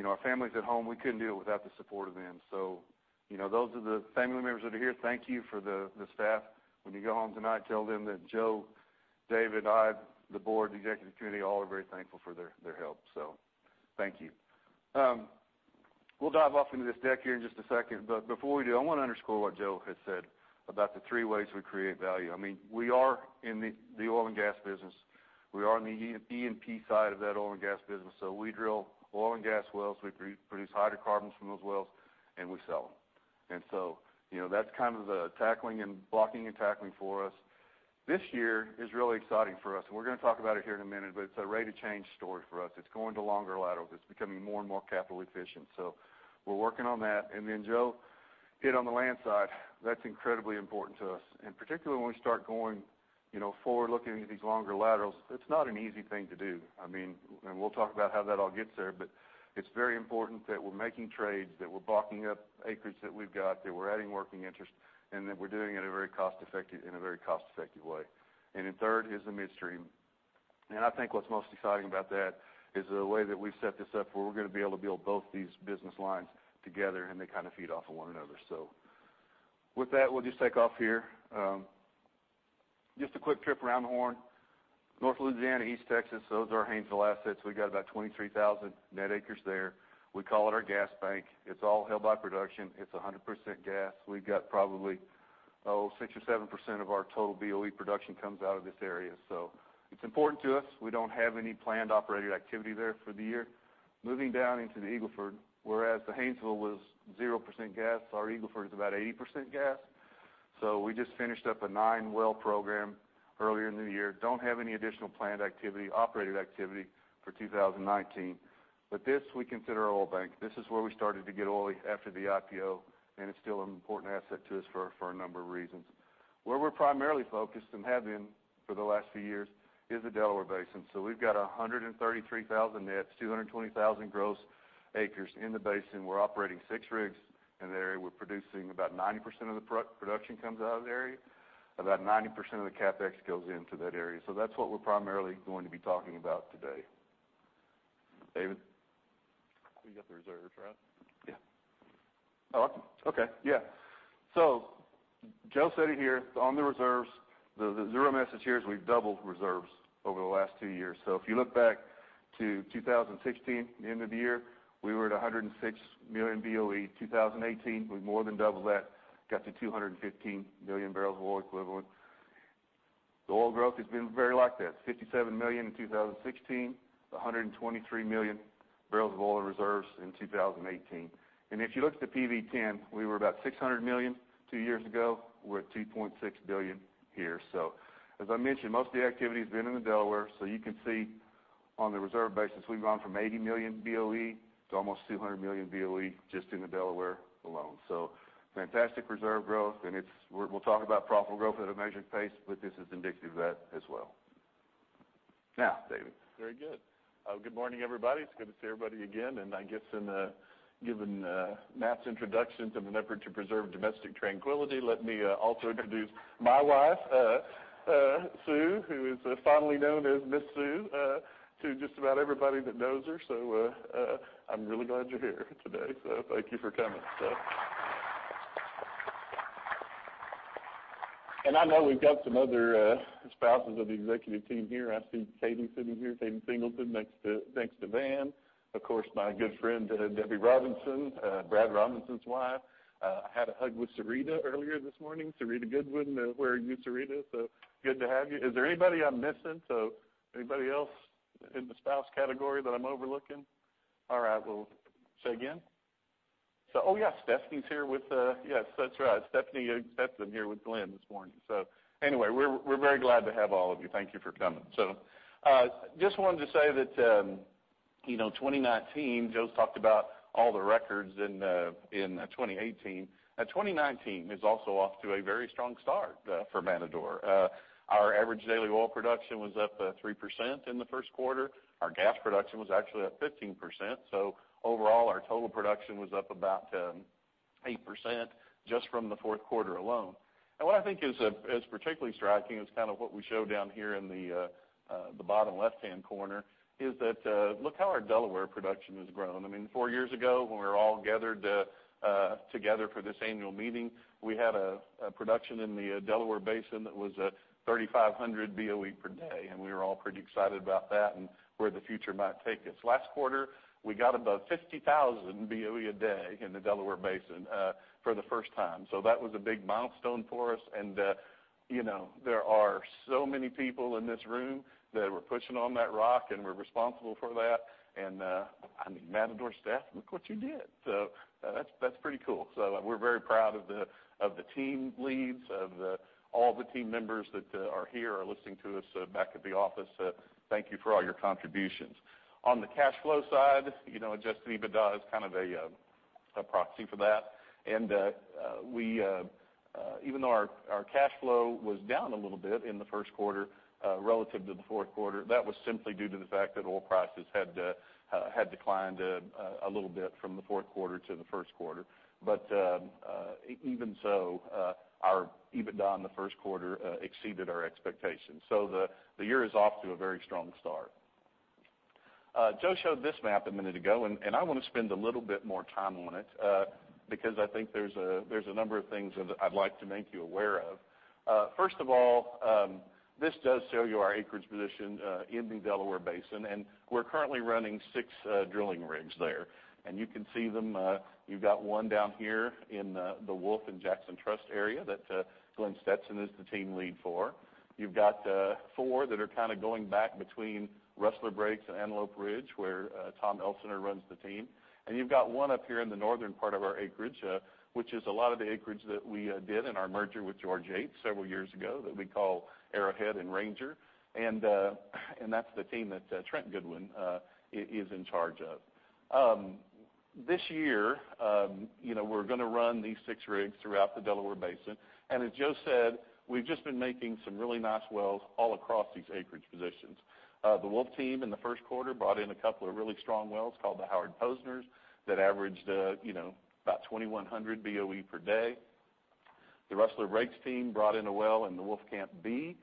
Our families at home, we couldn't do it without the support of them. Those are the family members that are here. Thank you for the staff. When you go home tonight, tell them that Joe, David, I, the Board, the Executive Committee, all are very thankful for their help. Thank you. We'll dive off into this deck here in just a second, before we do, I want to underscore what Joe has said about the three ways we create value. I mean, we are in the oil and gas business. We are in the E&P side of that oil and gas business, so we drill oil and gas wells, we produce hydrocarbons from those wells, and we sell them. That's kind of the blocking and tackling for us. This year is really exciting for us. We're going to talk about it here in a minute, but it's a rate of change story for us. It's going to longer laterals. It's becoming more and more capital efficient. We're working on that. Joe hit on the land side. That's incredibly important to us. Particularly when we start going forward looking at these longer laterals, it's not an easy thing to do. I mean, we'll talk about how that all gets there, but it's very important that we're making trades, that we're blocking up acreage that we've got, that we're adding working interest, and that we're doing it in a very cost-effective way. Then third is the midstream. I think what's most exciting about that is the way that we've set this up, where we're going to be able to build both these business lines together, and they kind of feed off of one another. With that, we'll just take off here. Just a quick trip around the horn. North Louisiana, East Texas, those are our Haynesville assets. We got about 23,000 net acres there. We call it our gas bank. It's all held by production. It's 100% gas. We've got probably, 6% or 7% of our total BOE production comes out of this area. It's important to us. We don't have any planned operated activity there for the year. Moving down into the Eagle Ford, whereas the Haynesville was 0% gas, our Eagle Ford is about 80% gas. We just finished up a nine-well program earlier in the year. Don't have any additional planned activity, operated activity for 2019. This, we consider our oil bank. This is where we started to get oil after the IPO, and it's still an important asset to us for a number of reasons. Where we're primarily focused and have been for the last few years is the Delaware Basin. We've got 133,000 nets, 220,000 gross acres in the basin. We're operating six rigs in the area. We're producing about 90% of the production comes out of the area, about 90% of the CapEx goes into that area. That's what we're primarily going to be talking about today. David? You got the reserves, right? Yeah. Okay. Joe said it here, on the reserves, the zero message here is we've doubled reserves over the last two years. If you look back to 2016, the end of the year, we were at $106 million BOE. 2018, we more than doubled that, got to $215 million barrels of oil equivalent. The oil growth has been very like that, $57 million in 2016, $123 million barrels of oil reserves in 2018. If you look at the PV-10, we were about $600 million two years ago. We're at $2.6 billion here. As I mentioned, most of the activity has been in the Delaware. You can see on the reserve basis, we've gone from $80 million BOE to almost $200 million BOE just in the Delaware alone. Fantastic reserve growth, we'll talk about profitable growth at a measured pace, this is indicative of that as well. Now, David. Very good. Good morning, everybody. It's good to see everybody again. I guess given Matt's introduction, in an effort to preserve domestic tranquility, let me also introduce my wife, Sue, who is fondly known as Miss Sue to just about everybody that knows her. I'm really glad you're here today. Thank you for coming, Sue. I know we've got some other spouses of the executive team here. I see Katie sitting here, Katie Singleton next to Van. Of course, my good friend, Debbie Robinson, Brad Robinson's wife. I had a hug with Serita earlier this morning, Serita Goodwin. Where are you, Serita? Good to have you. Is there anybody I'm missing? Anybody else in the spouse category that I'm overlooking? All right. Well, say again? Oh, yes, Stephanie's here. Yes, that's right. Stephanie Stetson here with Glenn this morning. Anyway, we're very glad to have all of you. Thank you for coming. Just wanted to say that 2019, Joe's talked about all the records in 2018. 2019 is also off to a very strong start for Matador. Our average daily oil production was up 3% in the first quarter. Our gas production was actually up 15%. Overall, our total production was up about 8% just from the fourth quarter alone. What I think is particularly striking is what we show down here in the bottom left-hand corner, is that look how our Delaware production has grown. Four years ago, when we were all gathered together for this annual meeting, we had a production in the Delaware Basin that was at 3,500 BOE per day, and we were all pretty excited about that and where the future might take us. Last quarter, we got above 50,000 BOE a day in the Delaware Basin for the first time. That was a big milestone for us, and there are so many people in this room that were pushing on that rock and were responsible for that. Matador staff, look what you did. That's pretty cool. We're very proud of the team leads, of all the team members that are here or listening to us back at the office. Thank you for all your contributions. On the cash flow side, adjusted EBITDA is a proxy for that. Even though our cash flow was down a little bit in the first quarter relative to the fourth quarter, that was simply due to the fact that oil prices had declined a little bit from the fourth quarter to the first quarter. Even so, our EBITDA in the first quarter exceeded our expectations. The year is off to a very strong start. Joe showed this map a minute ago, I want to spend a little bit more time on it because I think there's a number of things that I'd like to make you aware of. First of all, this does show you our acreage position in the Delaware Basin, we're currently running six drilling rigs there. You can see them. You've got one down here in the Wolfcamp and Jackson Trust area that Glenn Stetson is the team lead for. You've got four that are going back between Rustler Breaks and Antelope Ridge, where Tom Elsener runs the team. You've got one up here in the northern part of our acreage, which is a lot of the acreage that we did in our merger with George Yates several years ago that we call Arrowhead and Ranger. That's the team that Trey Goodwin is in charge of. This year, we're going to run these six rigs throughout the Delaware Basin. As Joe said, we've just been making some really nice wells all across these acreage positions. The Wolfcamp team in the first quarter brought in a couple of really strong wells called the Howard Posners that averaged about 2,100 BOE per day. The Rustler Breaks team brought in a well in the Wolfcamp B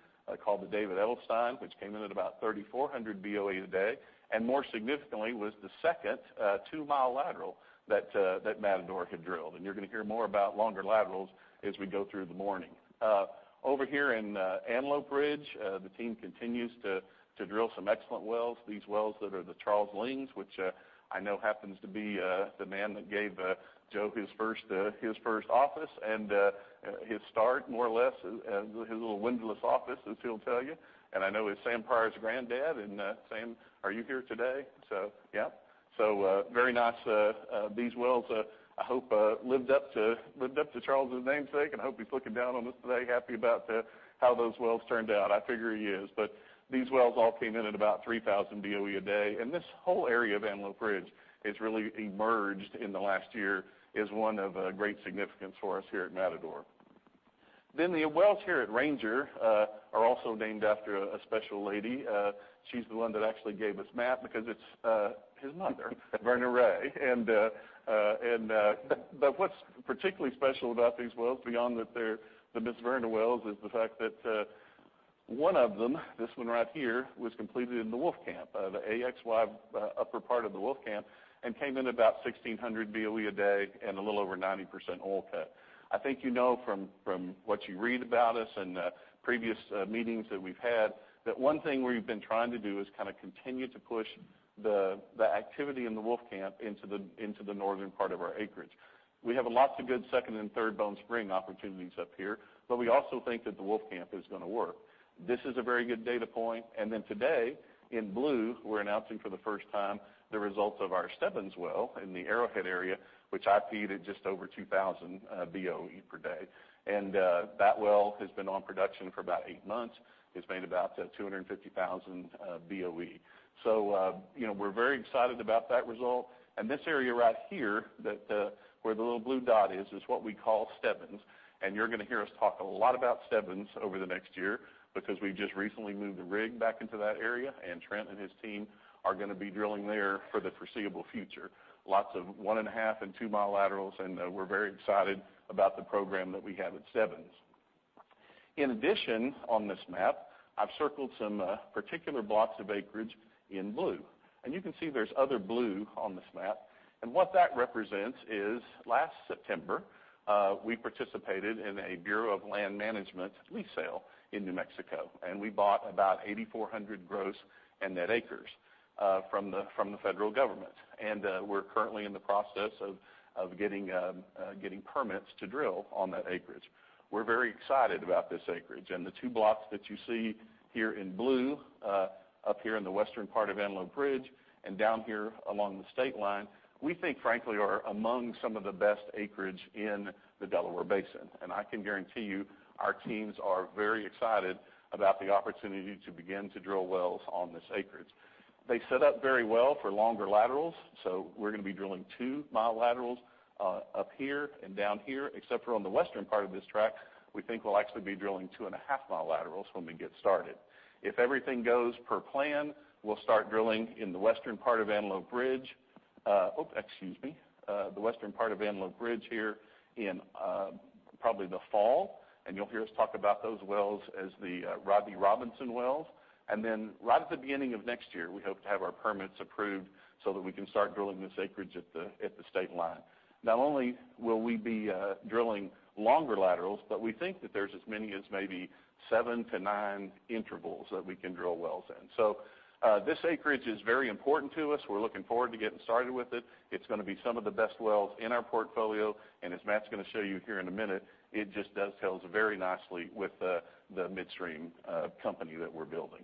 called the David Edelstein, which came in at about 3,400 BOE a day, and more significantly, was the second two-mile lateral that Matador had drilled. You're going to hear more about longer laterals as we go through the morning. Over here in Antelope Ridge, the team continues to drill some excellent wells. These wells that are the Charles Lings, which I know happens to be the man that gave Joe his first office and his start, more or less, his little windowless office, as he'll tell you. I know it's Sam Pryor's granddad, Sam, are you here today? Yeah. Very nice. These wells, I hope, lived up to Charles' namesake, and I hope he's looking down on us today happy about how those wells turned out. I figure he is. These wells all came in at about 3,000 BOE a day, and this whole area of Antelope Ridge has really emerged in the last year as one of great significance for us here at Matador. The wells here at Ranger are also named after a special lady. She's the one that actually gave us Matt, because it's his mother, Verna Rae. What's particularly special about these wells, beyond that they're the Miss Verna Rae wells, is the fact that one of them, this one right here, was completed in the Wolfcamp, the A-XY upper part of the Wolfcamp, and came in about 1,600 BOE a day and a little over 90% oil cut. I think you know from what you read about us and previous meetings that we've had, that one thing we've been trying to do is continue to push the activity in the Wolfcamp into the northern part of our acreage. We have lots of good Second and third Bone Spring opportunities up here, but we also think that the Wolfcamp is going to work. This is a very good data point. Today, in blue, we're announcing for the first time the results of our Stebbins well in the Arrowhead area, which I feed at just over 2,000 BOE per day. That well has been on production for about 8 months. It's made about 250,000 BOE. We're very excited about that result. This area right here where the little blue dot is what we call Stebbins, and you're going to hear us talk a lot about Stebbins over the next year because we just recently moved a rig back into that area, and Trey and his team are going to be drilling there for the foreseeable future. Lots of one and a half and two-mile laterals, we're very excited about the program that we have at Stebbins. In addition, on this map, I've circled some particular blocks of acreage in blue. You can see there's other blue on this map. What that represents is last September, we participated in a Bureau of Land Management lease sale in New Mexico, and we bought about 8,400 gross and net acres from the federal government. We're currently in the process of getting permits to drill on that acreage. We're very excited about this acreage, the two blocks that you see here in blue, up here in the western part of Antelope Ridge and down here along the state line, we think, frankly, are among some of the best acreage in the Delaware Basin. I can guarantee you, our teams are very excited about the opportunity to begin to drill wells on this acreage. They set up very well for longer laterals, we're going to be drilling two-mile laterals up here and down here, except for on the western part of this track, we think we'll actually be drilling two and a half-mile laterals when we get started. If everything goes per plan, we'll start drilling in the western part of Antelope Ridge, oh, excuse me, the western part of Antelope Ridge here in probably the fall, you'll hear us talk about those wells as the Rodney Robinson wells. Right at the beginning of next year, we hope to have our permits approved so that we can start drilling this acreage at the state line. Not only will we be drilling longer laterals, but we think that there's as many as maybe seven to nine intervals that we can drill wells in. This acreage is very important to us. We're looking forward to getting started with it. It's going to be some of the best wells in our portfolio, and as Matt's going to show you here in a minute, it just dovetails very nicely with the midstream company that we're building.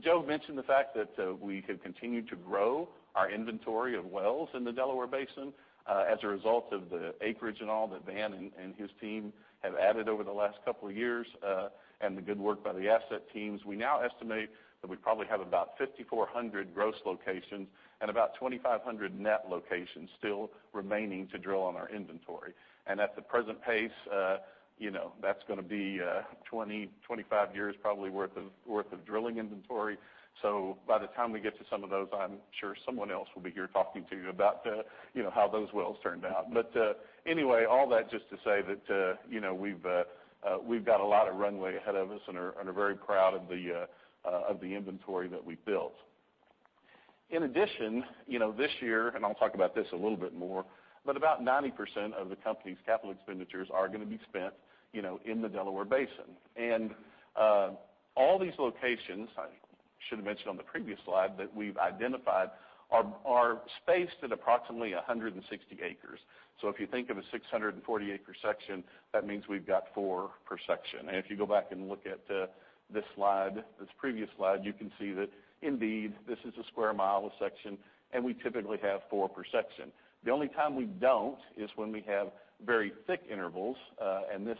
Joe mentioned the fact that we have continued to grow our inventory of wells in the Delaware Basin as a result of the acreage and all that Van and his team have added over the last couple of years, and the good work by the asset teams. We now estimate that we probably have about 5,400 gross locations and about 2,500 net locations still remaining to drill on our inventory. At the present pace, that's going to be 20, 25 years probably worth of drilling inventory. By the time we get to some of those, I'm sure someone else will be here talking to you about how those wells turned out. Anyway, all that just to say that we've got a lot of runway ahead of us and are very proud of the inventory that we built. In addition, this year, and I'll talk about this a little bit more, but about 90% of the company's capital expenditures are going to be spent in the Delaware Basin. All these locations, I should have mentioned on the previous slide, that we've identified are spaced at approximately 160 acres. If you think of a 640-acre section, that means we've got four per section. If you go back and look at this previous slide, you can see that indeed, this is a square mile section, and we typically have four per section. The only time we don't is when we have very thick intervals, and this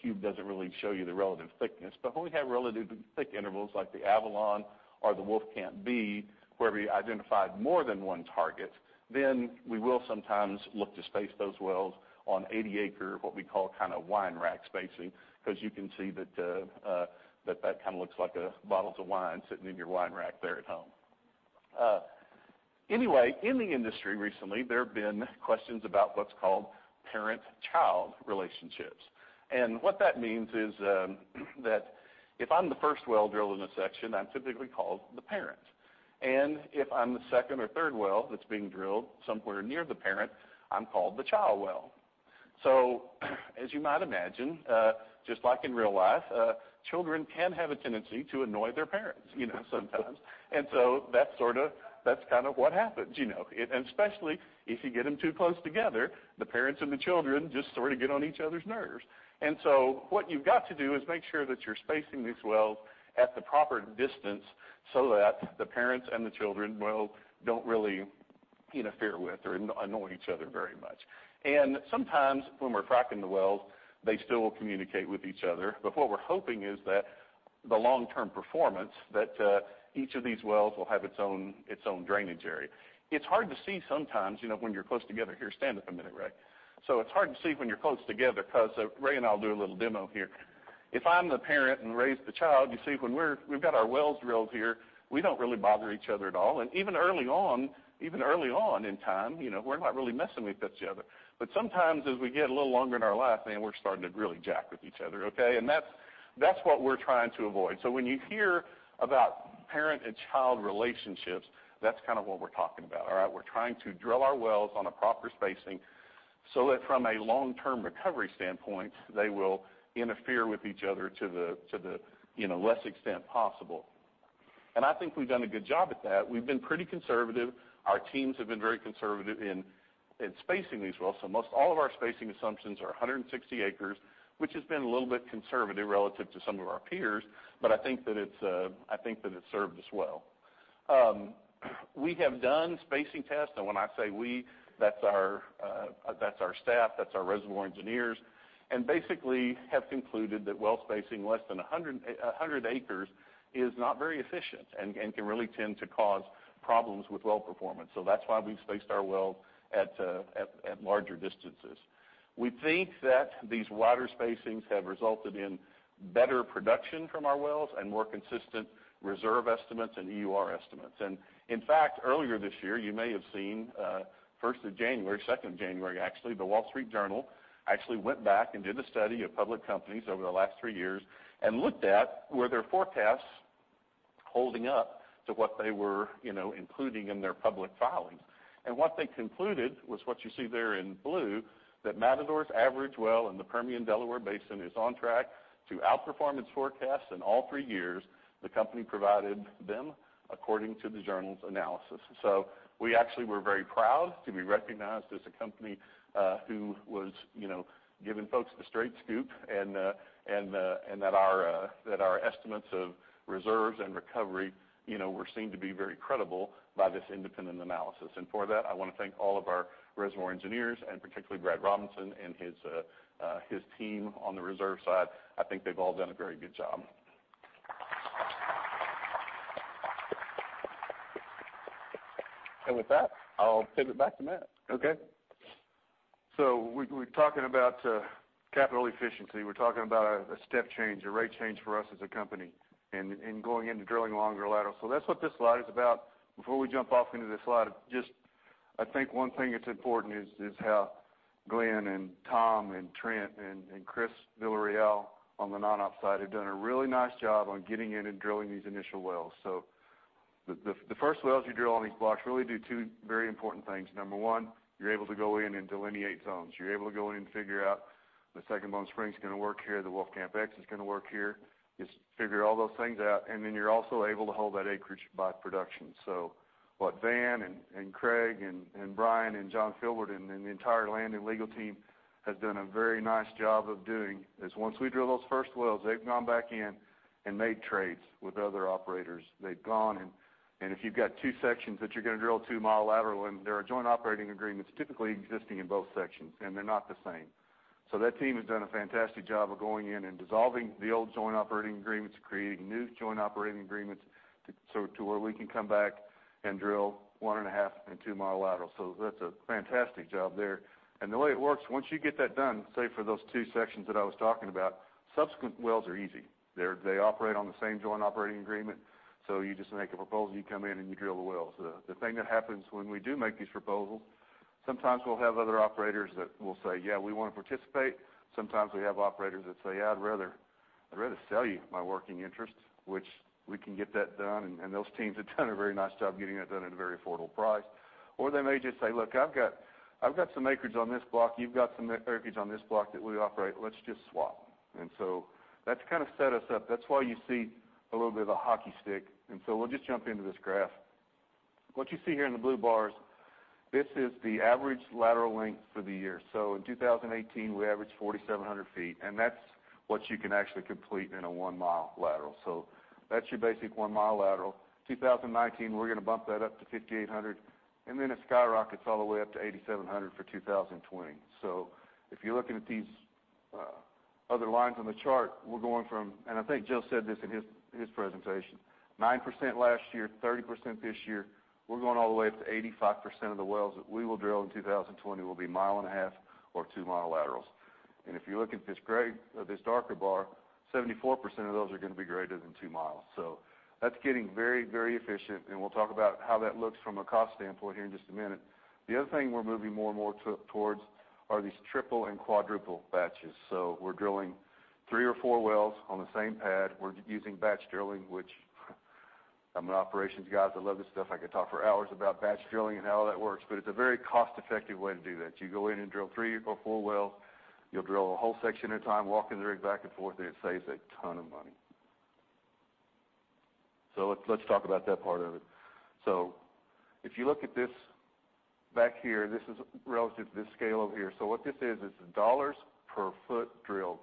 cube doesn't really show you the relative thickness. When we have relatively thick intervals like the Avalon or the Wolfcamp B, where we identified more than one target, we will sometimes look to space those wells on 80 acres, what we call wine rack spacing, because you can see that that kind of looks like bottles of wine sitting in your wine rack there at home. Anyway, in the industry recently, there have been questions about what's called parent-child relationships. What that means is that if I'm the first well drilled in a section, I'm typically called the parent. If I'm the second or third well that's being drilled somewhere near the parent, I'm called the child well. As you might imagine, just like in real life, children can have a tendency to annoy their parents sometimes. That's kind of what happens. What you've got to do is make sure that you're spacing these wells at the proper distance so that the parents and the children don't really interfere with or annoy each other very much. Sometimes when we're fracking the wells, they still will communicate with each other. What we're hoping is that the long-term performance that each of these wells will have its own drainage area. It's hard to see sometimes when you're close together. Here, stand up a minute, Ray. It's hard to see when you're close together because Ray and I'll do a little demo here. If I'm the parent and Ray's the child, you see when we've got our wells drilled here, we don't really bother each other at all. Even early on in time, we're not really messing with each other. Sometimes as we get a little longer in our life, man, we're starting to really jack with each other, okay? That's what we're trying to avoid. When you hear about parent and child relationships, that's what we're talking about, all right? We're trying to drill our wells on a proper spacing so that from a long-term recovery standpoint, they will interfere with each other to the less extent possible. I think we've done a good job at that. We've been pretty conservative. Our teams have been very conservative in spacing these wells. Most all of our spacing assumptions are 160 acres, which has been a little bit conservative relative to some of our peers, but I think that it's served us well. We have done spacing tests, and when I say we, that's our staff, that's our reservoir engineers, and basically have concluded that well spacing less than 100 acres is not very efficient and can really tend to cause problems with well performance. That's why we've spaced our wells at larger distances. We think that these wider spacings have resulted in better production from our wells and more consistent reserve estimates and EUR estimates. In fact, earlier this year, you may have seen, 1st of January, 2nd of January actually, The Wall Street Journal actually went back and did a study of public companies over the last three years and looked at were their forecasts holding up to what they were including in their public filings. What they concluded was what you see there in blue, that Matador's average well in the Permian Delaware Basin is on track to outperform its forecasts in all three years the company provided them, according to the Journal's analysis. We actually were very proud to be recognized as a company who was giving folks the straight scoop and that our estimates of reserves and recovery were seen to be very credible by this independent analysis. For that, I want to thank all of our reservoir engineers, and particularly Brad Robinson and his team on the reserve side. I think they've all done a very good job. With that, I'll pivot back to Matt. We're talking about capital efficiency. We're talking about a step change, a rate change for us as a company and going into drilling longer laterals. That's what this slide is about. Before we jump off into this slide, I think one thing that's important is how Glenn and Tom and Trey and Chris Villarreal on the non-op side have done a really nice job on getting in and drilling these initial wells. The first wells you drill on these blocks really do two very important things. Number one, you're able to go in and delineate zones. You're able to go in and figure out the Second Bone Spring's going to work here, the Wolfcamp X is going to work here, just figure all those things out. You're also able to hold that acreage by production. What Van and Craig and Brian and Jonathan Filbert and the entire land and legal team has done a very nice job of doing is once we drill those first wells, they've gone back in and made trades with other operators. If you've got two sections that you're going to drill a two-mile lateral in, there are joint operating agreements typically existing in both sections, and they're not the same. That team has done a fantastic job of going in and dissolving the old joint operating agreements, creating new joint operating agreements to where we can come back and drill one and a half and two-mile laterals. That's a fantastic job there. The way it works, once you get that done, say for those two sections that I was talking about, subsequent wells are easy. They operate on the same joint operating agreement. You just make a proposal, you come in, and you drill the wells. The thing that happens when we do make these proposals, sometimes we'll have other operators that will say, "Yeah, we want to participate." Sometimes we have operators that say, "Yeah, I'd rather sell you my working interest," which we can get that done, and those teams have done a very nice job getting that done at a very affordable price. Or they may just say, "Look, I've got some acreage on this block. You've got some acreage on this block that we operate. Let's just swap." That's kind of set us up. That's why you see a little bit of a hockey stick, we'll just jump into this graph. What you see here in the blue bars, this is the average lateral length for the year. In 2018, we averaged 4,700 feet, and that's what you can actually complete in a one-mile lateral. That's your basic one-mile lateral. 2019, we're going to bump that up to 5,800, and then it skyrockets all the way up to 8,700 for 2020. If you're looking at these other lines on the chart, we're going from, I think Joe said this in his presentation, 9% last year, 30% this year. We're going all the way up to 85% of the wells that we will drill in 2020 will be a mile and a half or two-mile laterals. If you look at this darker bar, 74% of those are going to be greater than two miles. That's getting very efficient, and we'll talk about how that looks from a cost standpoint here in just a minute. The other thing we're moving more and more towards are these triple and quadruple batches. We're drilling three or four wells on the same pad. We're using batch drilling, which I'm an operations guy, I love this stuff. I could talk for hours about batch drilling and how that works, but it's a very cost-effective way to do that. You go in and drill three or four wells. You'll drill a whole section at a time walking the rig back and forth, and it saves a ton of money. Let's talk about that part of it. If you look at this back here, this is relative to this scale over here. What this is the dollars per foot drilled.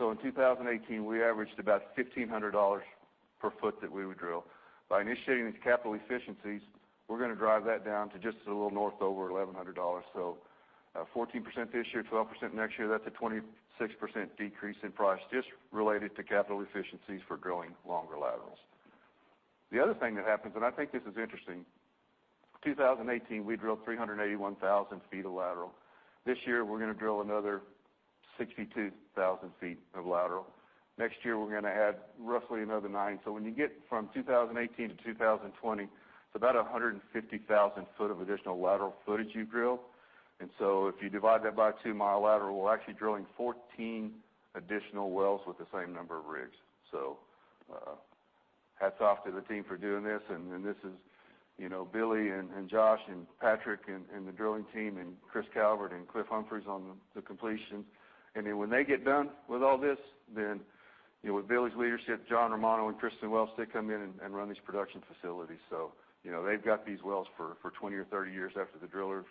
In 2018, we averaged about $1,500 per foot that we would drill. By initiating these capital efficiencies, we're going to drive that down to just a little north over $1,100. 14% this year, 12% next year. That's a 26% decrease in price just related to capital efficiencies for drilling longer laterals. The other thing that happens, and I think this is interesting, 2018, we drilled 381,000 feet of lateral. This year, we're going to drill another 62,000 feet of lateral. Next year, we're going to add roughly another nine. When you get from 2018 to 2020, it's about 150,000 foot of additional lateral footage you drill. If you divide that by a two-mile lateral, we're actually drilling 14 additional wells with the same number of rigs. Hats off to the team for doing this. This is Billy and Josh and Patrick and the drilling team and Chris Calvert and Cliff Humphreys on the completions. When they get done with all this, with Billy's leadership, John Romano and Kristin Wells, they come in and run these production facilities. They've got these wells for 20 or 30 years after the drillers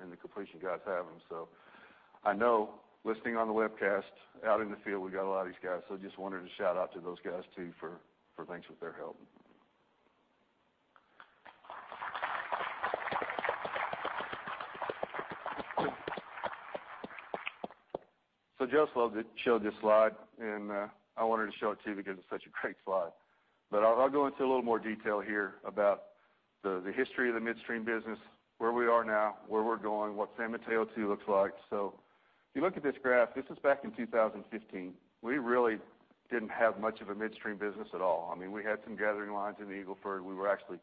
and the completion guys have them. I know listening on the webcast, out in the field, we got a lot of these guys. Just wanted to shout out to those guys too for thanks with their help. Joe showed this slide, and I wanted to show it to you because it's such a great slide. I'll go into a little more detail here about the history of the midstream business, where we are now, where we're going, what San Mateo 2 looks like. If you look at this graph, this is back in 2015. We really didn't have much of a midstream business at all. We had some gathering lines in the Eagle Ford. We were actually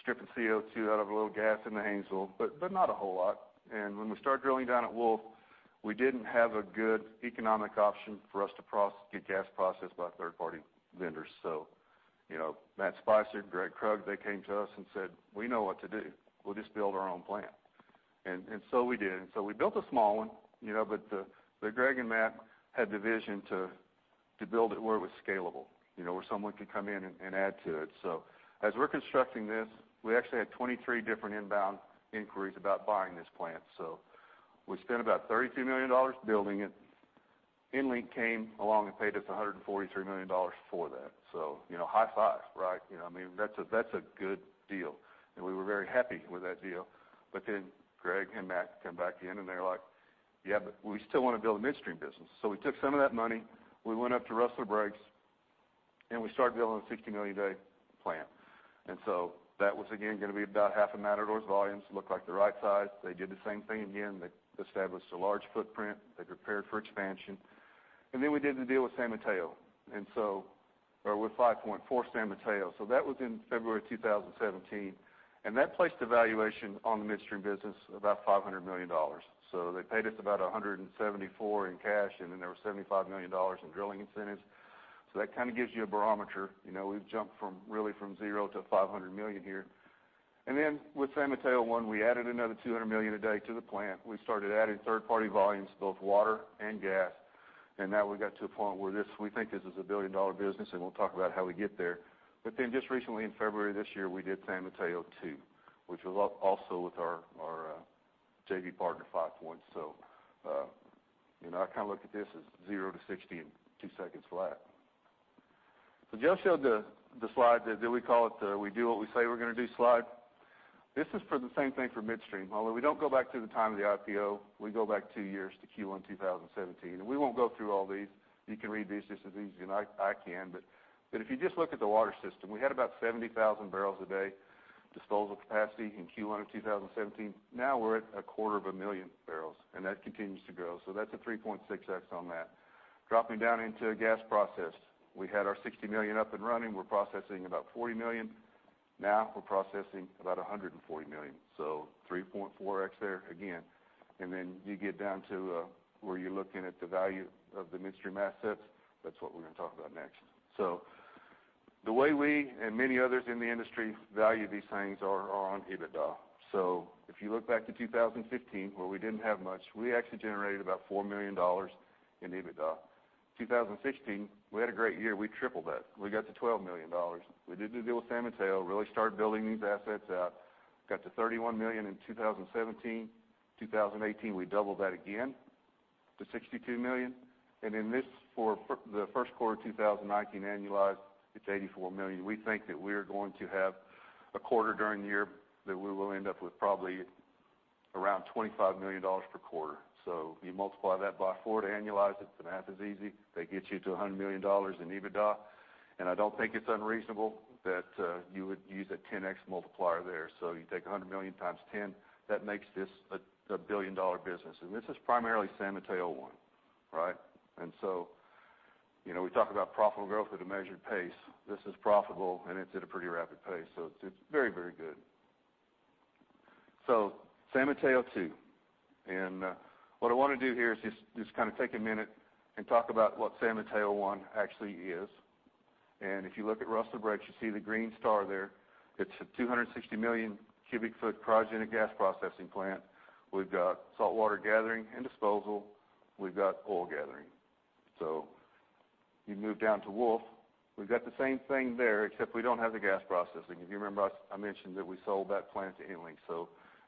stripping CO2 out of a little gas in the Haynesville, but not a whole lot. When we started drilling down at Wolf, we didn't have a good economic option for us to get gas processed by third-party vendors. Matt Spicer, Gregg Krug, they came to us and said, "We know what to do. We'll just build our own plant." We did. We built a small one, but Gregg and Matt had the vision to build it where it was scalable, where someone could come in and add to it. As we're constructing this, we actually had 23 different inbound inquiries about buying this plant. We spent about $32 million building it. EnLink came along and paid us $143 million for that. High five, right? That's a good deal. We were very happy with that deal. Gregg and Matt come back in, and they're like, "Yeah, but we still want to build a midstream business." We took some of that money, we went up to Rustler Breaks, and we started building a 60 million a day plant. That was, again, going to be about half of Matador's volumes. Looked like the right size. They did the same thing again. They established a large footprint. They prepared for expansion. We did the deal with San Mateo. Or with 5.4 San Mateo. That was in February of 2017, and that placed a valuation on the midstream business of about $500 million. They paid us about $174 in cash, and then there was $75 million in drilling incentives. That kind of gives you a barometer. We've jumped from really from zero to $500 million here. With San Mateo I, we added another 200 million a day to the plant. We started adding third-party volumes, both water and gas, and now we got to a point where we think this is a billion-dollar business, and we'll talk about how we get there. Just recently, in February of this year, we did San Mateo 2, which was also with our JV partner, Five Point. I kind of look at this as zero to 60 in two seconds flat. Joe showed the slide, do we call it the we do what we say we're going to do slide? This is for the same thing for midstream. Although we don't go back to the time of the IPO, we go back two years to Q1 2017. We won't go through all these. You can read these just as easy as I can. If you just look at the water system, we had about 70,000 barrels a day disposal capacity in Q1 of 2017. Now we're at a quarter of a million barrels, and that continues to grow. That's a 3.6x on that. Dropping down into gas process. We had our 60 million up and running. We're processing about 40 million. Now we're processing about 140 million. 3.4x there again. You get down to where you're looking at the value of the midstream assets. That's what we're going to talk about next. The way we and many others in the industry value these things are on EBITDA. If you look back to 2015 where we didn't have much, we actually generated about $4 million in EBITDA. 2016, we had a great year. We tripled that. We got to $12 million. We did the deal with San Mateo, really started building these assets out, got to $31 million in 2017. 2018, we doubled that again to $62 million. In this, for the first quarter 2019 annualized, it's $84 million. We think that we're going to have a quarter during the year that we will end up with probably around $25 million per quarter. You multiply that by four to annualize it. The math is easy. That gets you to $100 million in EBITDA. I don't think it's unreasonable that you would use a 10x multiplier there. You take $100 million times 10, that makes this a billion-dollar business. This is primarily San Mateo I, right? We talk about profitable growth at a measured pace. This is profitable, and it's at a pretty rapid pace. It's very good. San Mateo Two. What I want to do here is just kind of take a minute and talk about what San Mateo One actually is. If you look at Rustler Breaks, you see the green star there. It's a 260 million cubic foot cryogenic gas processing plant. We've got saltwater gathering and disposal. We've got oil gathering. You move down to Wolf. We've got the same thing there, except we don't have the gas processing. If you remember, I mentioned that we sold that plant to EnLink.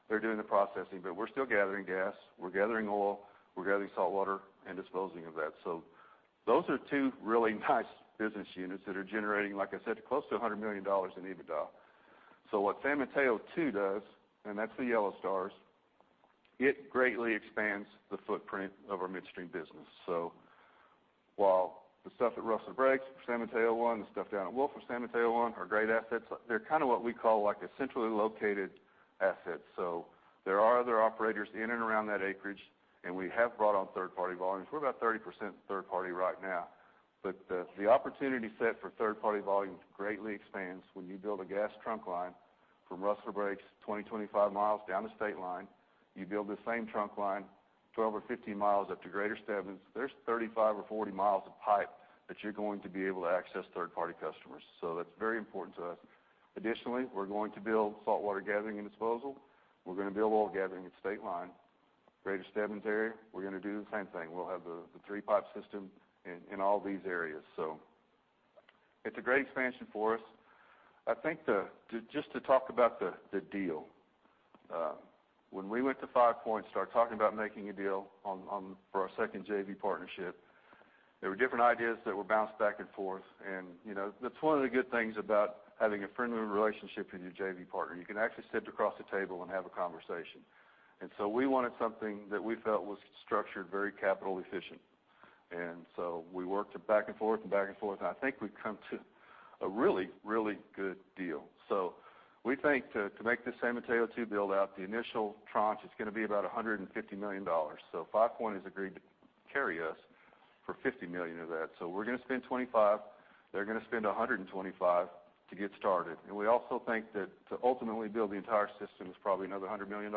They're doing the processing, but we're still gathering gas, we're gathering oil, we're gathering saltwater and disposing of that. Those are two really nice business units that are generating, like I said, close to $100 million in EBITDA. What San Mateo Two does, and that's the yellow stars, it greatly expands the footprint of our midstream business. While the stuff at Rustler Breaks for San Mateo One, the stuff down at Wolf for San Mateo One are great assets, they're kind of what we call a centrally located asset. There are other operators in and around that acreage, and we have brought on third-party volumes. We're about 30% third party right now. But the opportunity set for third-party volumes greatly expands when you build a gas trunk line from Rustler Breaks 20, 25 miles down to State Line. You build the same trunk line 12 or 15 miles up to Greater Stebbins. There's 35 or 40 miles of pipe that you're going to be able to access third-party customers. That's very important to us. Additionally, we're going to build saltwater gathering and disposal. We're going to build oil gathering at State Line. Greater Stebbins area, we're going to do the same thing. We'll have the three-pipe system in all these areas. It's a great expansion for us. I think just to talk about the deal. When we went to FivePoint to start talking about making a deal for our second JV partnership, there were different ideas that were bounced back and forth. And that's one of the good things about having a friendly relationship with your JV partner. You can actually sit across the table and have a conversation. We wanted something that we felt was structured very capital efficient. And so we worked back and forth and back and forth, and I think we've come to a really good deal. We think to make this San Mateo Two build-out, the initial tranche is going to be about $150 million. FivePoint has agreed to carry us for $50 million of that. We're going to spend $25 million, they're going to spend $125 million to get started. And we also think that to ultimately build the entire system is probably another $100 million.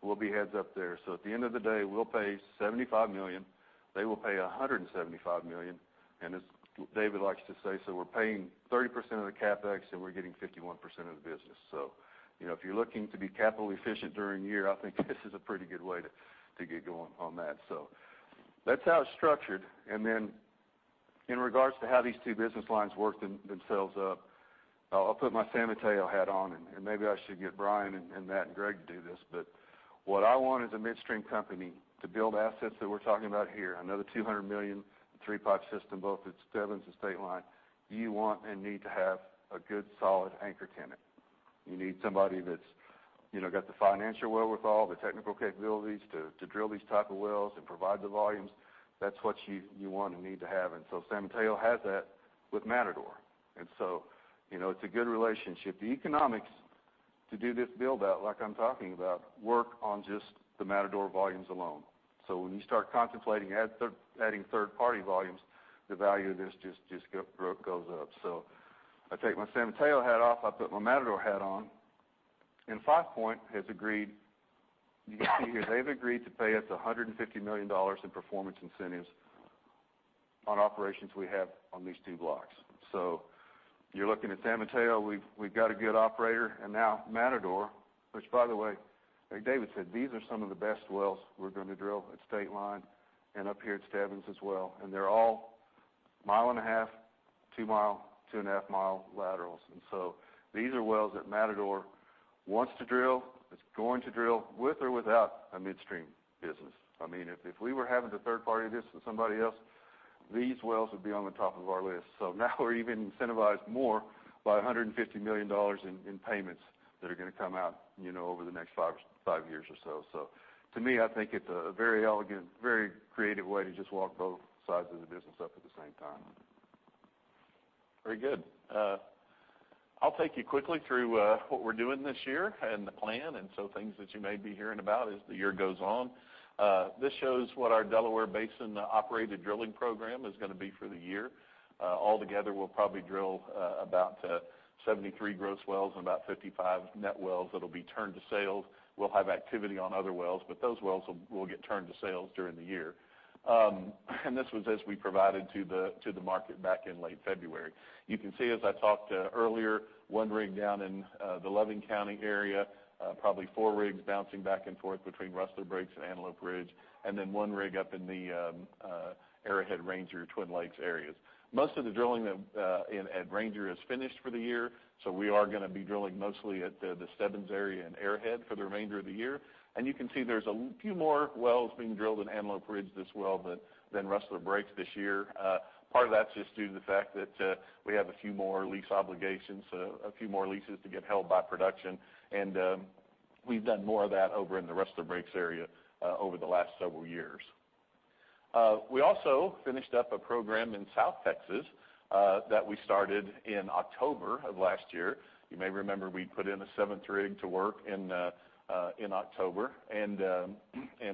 We'll be heads up there. At the end of the day, we'll pay $75 million. They will pay $175 million. And as David likes to say, we're paying 30% of the CapEx, and we're getting 51% of the business. If you're looking to be capital efficient during the year, I think this is a pretty good way to get going on that. That's how it's structured. And then in regards to how these two business lines work themselves up, I'll put my San Mateo hat on, and maybe I should get Bryan and Matt and Greg to do this. What I want as a midstream company to build assets that we're talking about here, another $200 million, three-pipe system, both at Stebbins and State Line, you want and need to have a good solid anchor tenant. You need somebody that's got the financial wherewithal, the technical capabilities to drill these type of wells and provide the volumes. That's what you want and need to have. San Mateo has that with Matador. It's a good relationship. The economics to do this build-out like I'm talking about work on just the Matador volumes alone. When you start contemplating adding third-party volumes, the value of this just goes up. I take my San Mateo hat off, I put my Matador hat on, FivePoint Energy has agreed, you can see here, they've agreed to pay us $150 million in performance incentives on operations we have on these two blocks. You're looking at San Mateo, we've got a good operator. Now Matador, which by the way, like David said, these are some of the best wells we're going to drill at State Line and up here at Stebbins as well. They're all a mile and a half, two mile, two and a half mile laterals. These are wells that Matador wants to drill, it's going to drill with or without a midstream business. If we were having to third-party this with somebody else, these wells would be on the top of our list. Now we're even incentivized more by $150 million in payments that are going to come out over the next five years or so. To me, I think it's a very elegant, very creative way to just walk both sides of the business up at the same time. Very good. I'll take you quickly through what we're doing this year and the plan, things that you may be hearing about as the year goes on. This shows what our Delaware Basin operated drilling program is going to be for the year. Altogether, we'll probably drill about 73 gross wells and about 55 net wells that'll be turned to sales. We'll have activity on other wells, but those wells will get turned to sales during the year. This was as we provided to the market back in late February. You can see as I talked earlier, one rig down in the Loving County area, probably four rigs bouncing back and forth between Rustler Breaks and Antelope Ridge, then one rig up in the Arrowhead, Ranger, Twin Lakes areas. Most of the drilling at Ranger is finished for the year, we are going to be drilling mostly at the Stebbins area and Arrowhead for the remainder of the year. You can see there's a few more wells being drilled in Antelope Ridge this well than Rustler Breaks this year. Part of that's just due to the fact that we have a few more lease obligations, a few more leases to get held by production, and we've done more of that over in the Rustler Breaks area over the last several years. We also finished up a program in South Texas, that we started in October of last year. You may remember we put in a seventh rig to work in October.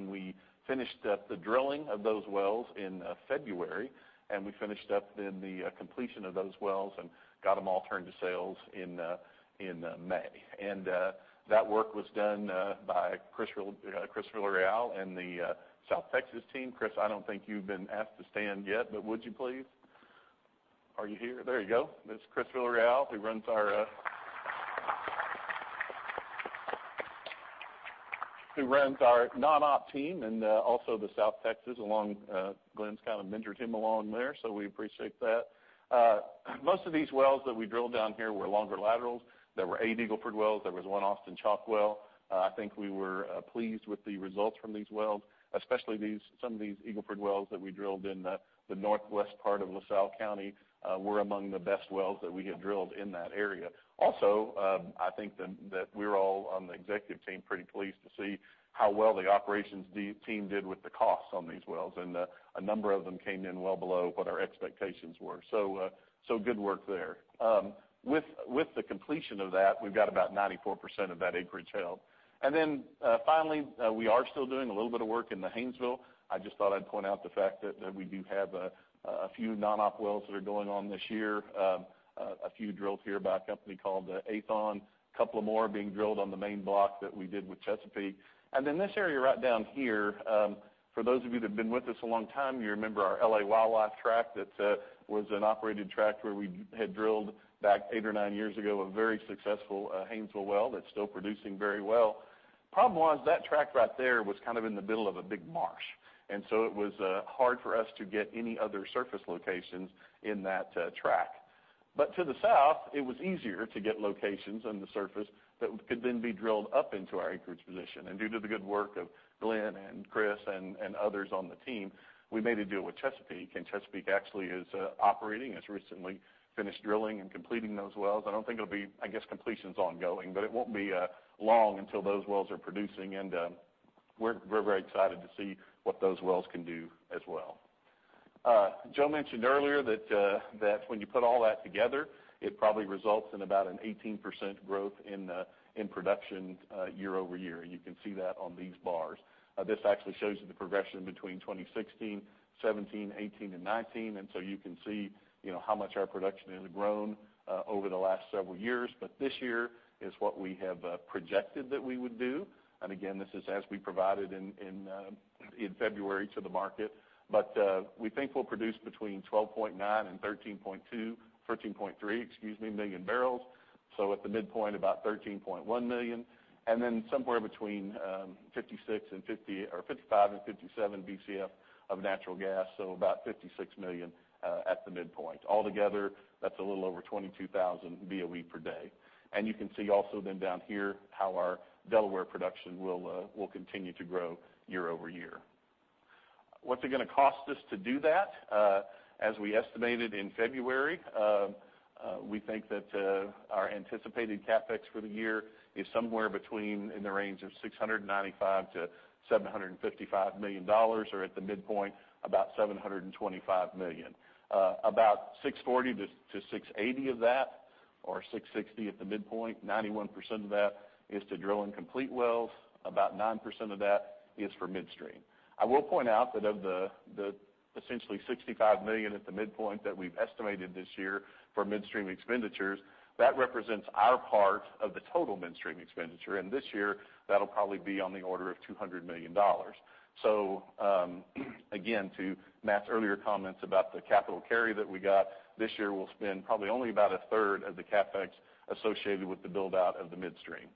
We finished up the drilling of those wells in February, and we finished up then the completion of those wells and got them all turned to sales in May. That work was done by Chris Villarreal and the South Texas team. Chris, I don't think you've been asked to stand yet, but would you please? Are you here? There you go. There's Chris Villarreal, who runs our non-op team and also the South Texas, along Glenn's kind of mentored him along there, we appreciate that. Most of these wells that we drilled down here were longer laterals. There were eight Eagle Ford wells. There was one Austin Chalk well. I think we were pleased with the results from these wells, especially some of these Eagle Ford wells that we drilled in the northwest part of LaSalle County, were among the best wells that we have drilled in that area. Also, I think that we're all on the executive team pretty pleased to see how well the operations team did with the costs on these wells. A number of them came in well below what our expectations were. Good work there. With the completion of that, we've got about 94% of that acreage held. Finally, we are still doing a little bit of work in the Haynesville. I just thought I'd point out the fact that we do have a few non-op wells that are going on this year. A few drilled here by a company called Aethon, a couple of more being drilled on the main block that we did with Chesapeake. This area right down here, for those of you that have been with us a long time, you remember our L.A. Wildlife track that was an operated track where we had drilled, back eight or nine years ago, a very successful Haynesville well that's still producing very well. Problem was that track right there was kind of in the middle of a big marsh, it was hard for us to get any other surface locations in that track. To the south, it was easier to get locations on the surface that could then be drilled up into our acreage position. Due to the good work of Glenn Stetson and Chris Calvert and others on the team, we made a deal with Chesapeake, and Chesapeake actually is operating, has recently finished drilling and completing those wells. I guess completion's ongoing, but it will not be long until those wells are producing, and we are very excited to see what those wells can do as well. Joe Foran mentioned earlier that when you put all that together, it probably results in about an 18% growth in production year-over-year, and you can see that on these bars. This actually shows you the progression between 2016, 2017, 2018, and 2019. You can see how much our production has grown over the last several years. This year is what we have projected that we would do, and again, this is as we provided in February to the market. We think we will produce between 12.9 and 13.3 million barrels. So at the midpoint, about 13.1 million. Somewhere between 55 and 57 Bcf of natural gas, so about 56 million at the midpoint. Altogether, that is a little over 22,000 BOE per day. You can see also then down here how our Delaware Basin production will continue to grow year-over-year. What is it going to cost us to do that? As we estimated in February, we think that our anticipated CapEx for the year is somewhere in the range of $695 million-$755 million, or at the midpoint, about $725 million. About $640 million-$680 million of that, or $660 million at the midpoint, 91% of that is to drill and complete wells. About 9% of that is for midstream. I will point out that of the essentially $65 million at the midpoint that we have estimated this year for midstream expenditures, that represents our part of the total midstream expenditure. This year, that will probably be on the order of $200 million. Again, to Matt Spicer's earlier comments about the capital carry that we got, this year we will spend probably only about a third of the CapEx associated with the build-out of the midstream.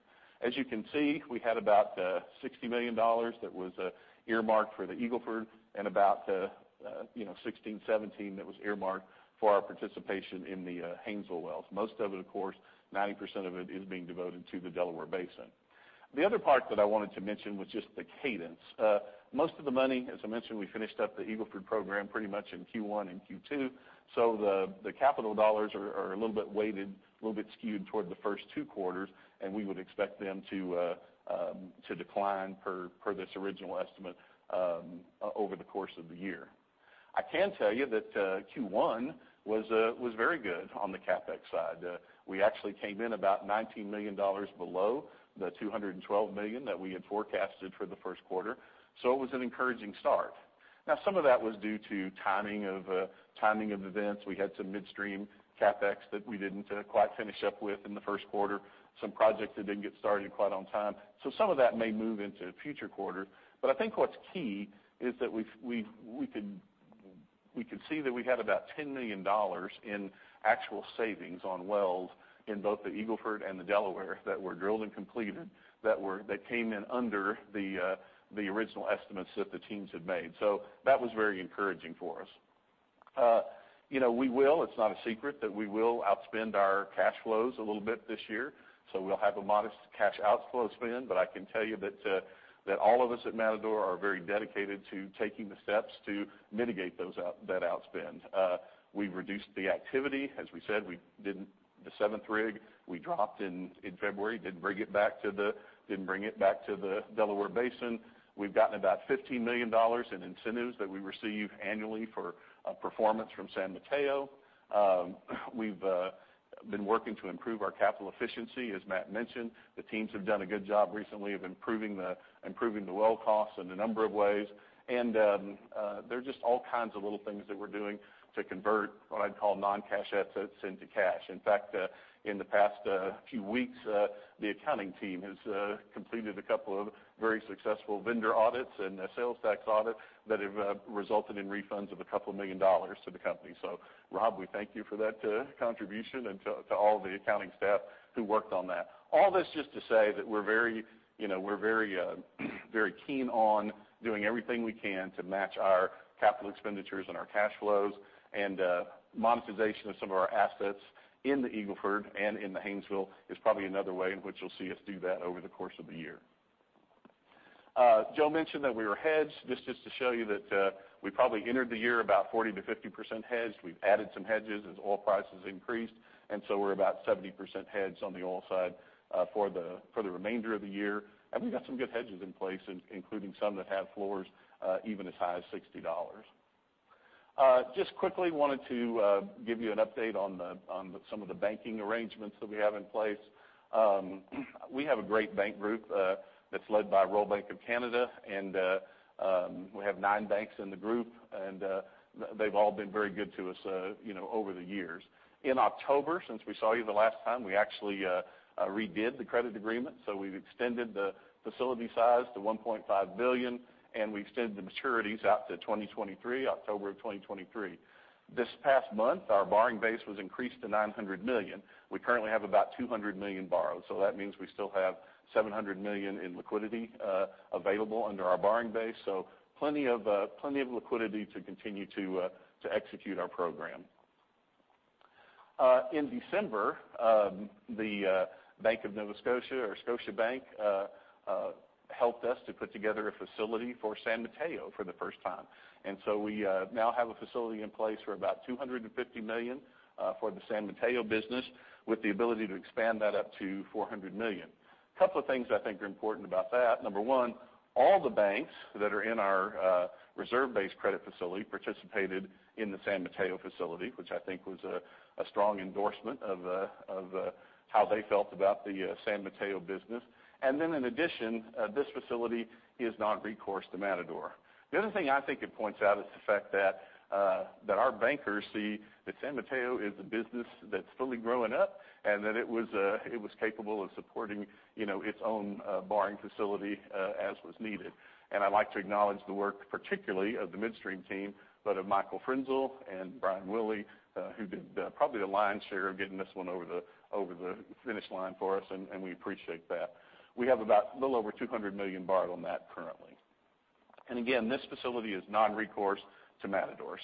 As you can see, we had about $60 million that was earmarked for the Eagle Ford Shale and about $16 million-$17 million that was earmarked for our participation in the Haynesville wells. Most of it, of course, 90% of it is being devoted to the Delaware Basin. The other part that I wanted to mention was just the cadence. Most of the money, as I mentioned, we finished up the Eagle Ford Shale program pretty much in Q1 and Q2, so the capital dollars are a little bit weighted, a little bit skewed toward the first two quarters, and we would expect them to decline per this original estimate over the course of the year. I can tell you that Q1 was very good on the CapEx side. We actually came in about $19 million below the $212 million that we had forecasted for the first quarter. So it was an encouraging start. Some of that was due to timing of events. We had some midstream CapEx that we did not quite finish up with in the first quarter, some projects that did not get started quite on time. So some of that may move into future quarters. I think what's key is that we could see that we had about $10 million in actual savings on wells in both the Eagle Ford and the Delaware that were drilled and completed that came in under the original estimates that the teams had made. That was very encouraging for us. It's not a secret that we will outspend our cash flows a little bit this year, we'll have a modest cash outflow spend. I can tell you that all of us at Matador are very dedicated to taking the steps to mitigate that outspend. We've reduced the activity. As we said, the seventh rig we dropped in February, didn't bring it back to the Delaware Basin. We've gotten about $15 million in incentives that we receive annually for performance from San Mateo. We've been working to improve our capital efficiency, as Matt mentioned. The teams have done a good job recently of improving the well costs in a number of ways. There are just all kinds of little things that we're doing to convert what I'd call non-cash assets into cash. In fact, in the past few weeks, the accounting team has completed a couple of very successful vendor audits and a sales tax audit that have resulted in refunds of $2 million to the company. Rob, we thank you for that contribution and to all the accounting staff who worked on that. All this just to say that we're very keen on doing everything we can to match our capital expenditures and our cash flows, and monetization of some of our assets in the Eagle Ford and in the Haynesville is probably another way in which you'll see us do that over the course of the year. Joe mentioned that we were hedged. This is just to show you that we probably entered the year about 40%-50% hedged. We've added some hedges as oil prices increased, we're about 70% hedged on the oil side for the remainder of the year. We've got some good hedges in place, including some that have floors even as high as $60. Just quickly wanted to give you an update on some of the banking arrangements that we have in place. We have a great bank group that's led by Royal Bank of Canada, we have nine banks in the group, and they've all been very good to us over the years. In October, since we saw you the last time, we actually redid the credit agreement. We've extended the facility size to $1.5 billion, and we extended the maturities out to October of 2023. This past month, our borrowing base was increased to $900 million. We currently have about $200 million borrowed, that means we still have $700 million in liquidity available under our borrowing base, plenty of liquidity to continue to execute our program. In December, the Bank of Nova Scotia, or Scotiabank, helped us to put together a facility for San Mateo for the first time. We now have a facility in place for about $250 million for the San Mateo business with the ability to expand that up to $400 million. A couple of things I think are important about that. Number one, all the banks that are in our reserve-based credit facility participated in the San Mateo facility, which I think was a strong endorsement of how they felt about the San Mateo business. In addition, this facility is non-recourse to Matador. The other thing I think it points out is the fact that our bankers see that San Mateo is a business that's fully grown up and that it was capable of supporting its own borrowing facility as was needed. I'd like to acknowledge the work, particularly of the midstream team, but of Michael Frenzel and Brian Willey, who did probably the lion's share of getting this one over the finish line for us, and we appreciate that. We have about a little over $200 million borrowed on that currently. Again, this facility is non-recourse to Matador.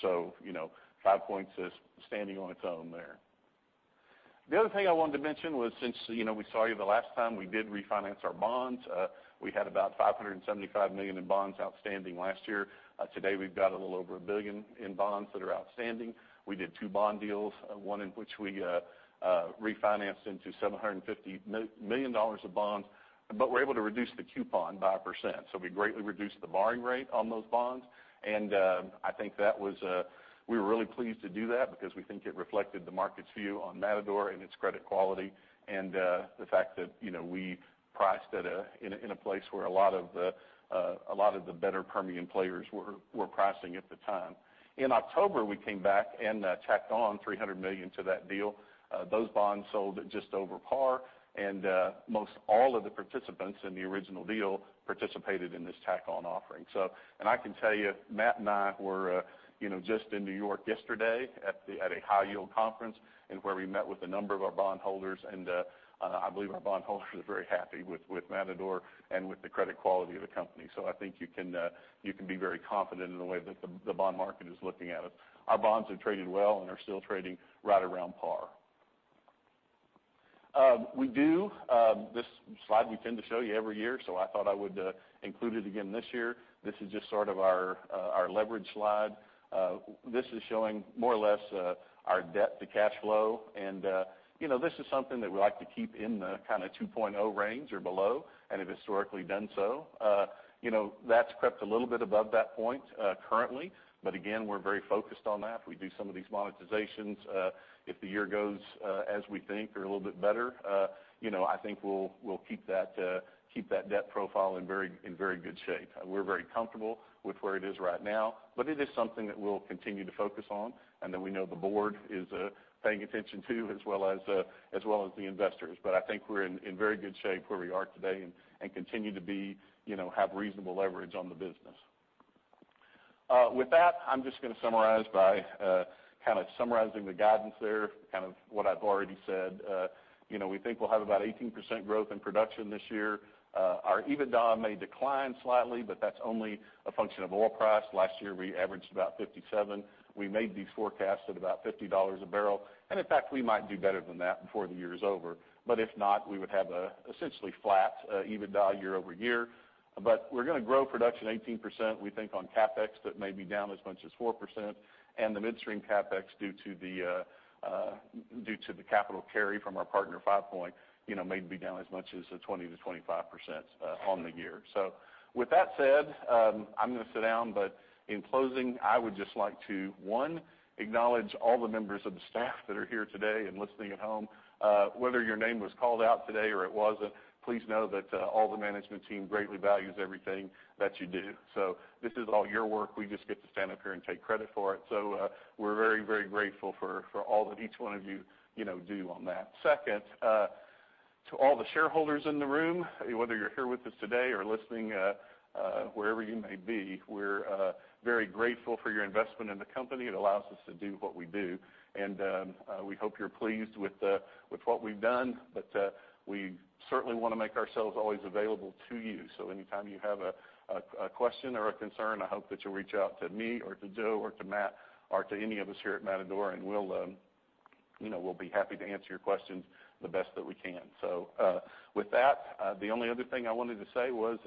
Five Point is standing on its own there. The other thing I wanted to mention was since we saw you the last time, we did refinance our bonds. We had about $575 million in bonds outstanding last year. Today, we've got a little over $1 billion in bonds that are outstanding. We did two bond deals, one in which we refinanced into $750 million of bonds, but were able to reduce the coupon by 1%. We greatly reduced the borrowing rate on those bonds, and I think we were really pleased to do that because we think it reflected the market's view on Matador and its credit quality, and the fact that we priced it in a place where a lot of the better Permian players were pricing at the time. In October, we came back and tacked on $300 million to that deal. Those bonds sold at just over par, and most all of the participants in the original deal participated in this tack-on offering. I can tell you, Matt and I were just in New York yesterday at a high-yield conference and where we met with a number of our bondholders. I believe our bondholders are very happy with Matador and with the credit quality of the company. I think you can be very confident in the way that the bond market is looking at us. Our bonds have traded well and are still trading right around par. This slide we tend to show you every year, so I thought I would include it again this year. This is just sort of our leverage slide. This is showing more or less our debt to cash flow. This is something that we like to keep in the kind of 2.0 range or below and have historically done so. That's crept a little bit above that point currently. Again, we're very focused on that. If we do some of these monetizations, if the year goes as we think or a little bit better, I think we'll keep that debt profile in very good shape. We're very comfortable with where it is right now, but it is something that we'll continue to focus on and that we know the board is paying attention to, as well as the investors. I think we're in very good shape where we are today and continue to have reasonable leverage on the business. With that, I'm just going to summarize by kind of summarizing the guidance there, kind of what I've already said. We think we'll have about 18% growth in production this year. Our EBITDA may decline slightly, but that's only a function of oil price. Last year, we averaged about $57. We made these forecasts at about $50 a barrel. In fact, we might do better than that before the year is over. If not, we would have essentially flat EBITDA year-over-year. We're going to grow production 18%. We think on CapEx, that may be down as much as 4%. The midstream CapEx due to the capital carry from our partner FivePoint may be down as much as 20%-25% on the year. With that said, I'm going to sit down. In closing, I would just like to, one, acknowledge all the members of the staff that are here today and listening at home. Whether your name was called out today or it wasn't, please know that all the management team greatly values everything that you do. This is all your work. We just get to stand up here and take credit for it. We're very, very grateful for all that each one of you do on that. Second, to all the shareholders in the room, whether you're here with us today or listening wherever you may be, we're very grateful for your investment in the company. It allows us to do what we do. We hope you're pleased with what we've done. We certainly want to make ourselves always available to you. Anytime you have a question or a concern, I hope that you'll reach out to me or to Joe or to Matt or to any of us here at Matador, and we'll be happy to answer your questions the best that we can. With that, the only other thing I wanted to say was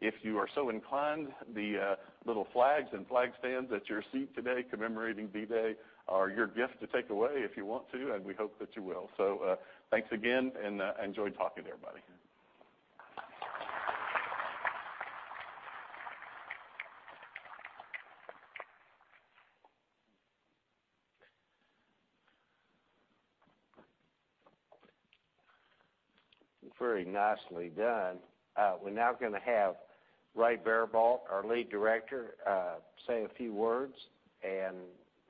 if you are so inclined, the little flags and flag stands at your seat today commemorating V-Day are your gift to take away if you want to, and we hope that you will. Thanks again, I enjoyed talking to everybody. Very nicely done. We're now going to have Ray Baribault, our Lead Director, say a few words and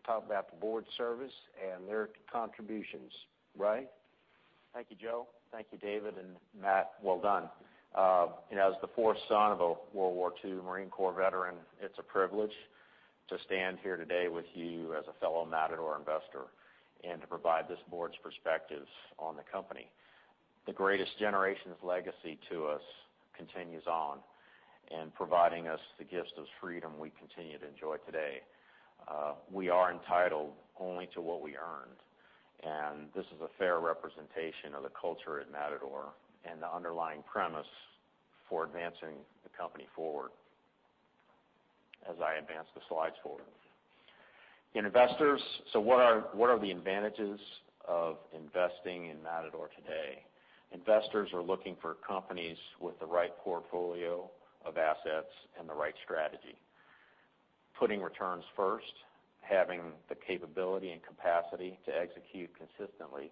talk about the board service and their contributions. Ray? Thank you, Joe. Thank you, David and Matt. Well done. As the fourth son of a World War II Marine Corps veteran, it is a privilege to stand here today with you as a fellow Matador investor, and to provide this board's perspectives on the company. The greatest generation's legacy to us continues on in providing us the gift of freedom we continue to enjoy today. We are entitled only to what we earned, and this is a fair representation of the culture at Matador and the underlying premise for advancing the company forward, as I advance the slides forward. What are the advantages of investing in Matador today? Investors are looking for companies with the right portfolio of assets and the right strategy. Putting returns first, having the capability and capacity to execute consistently,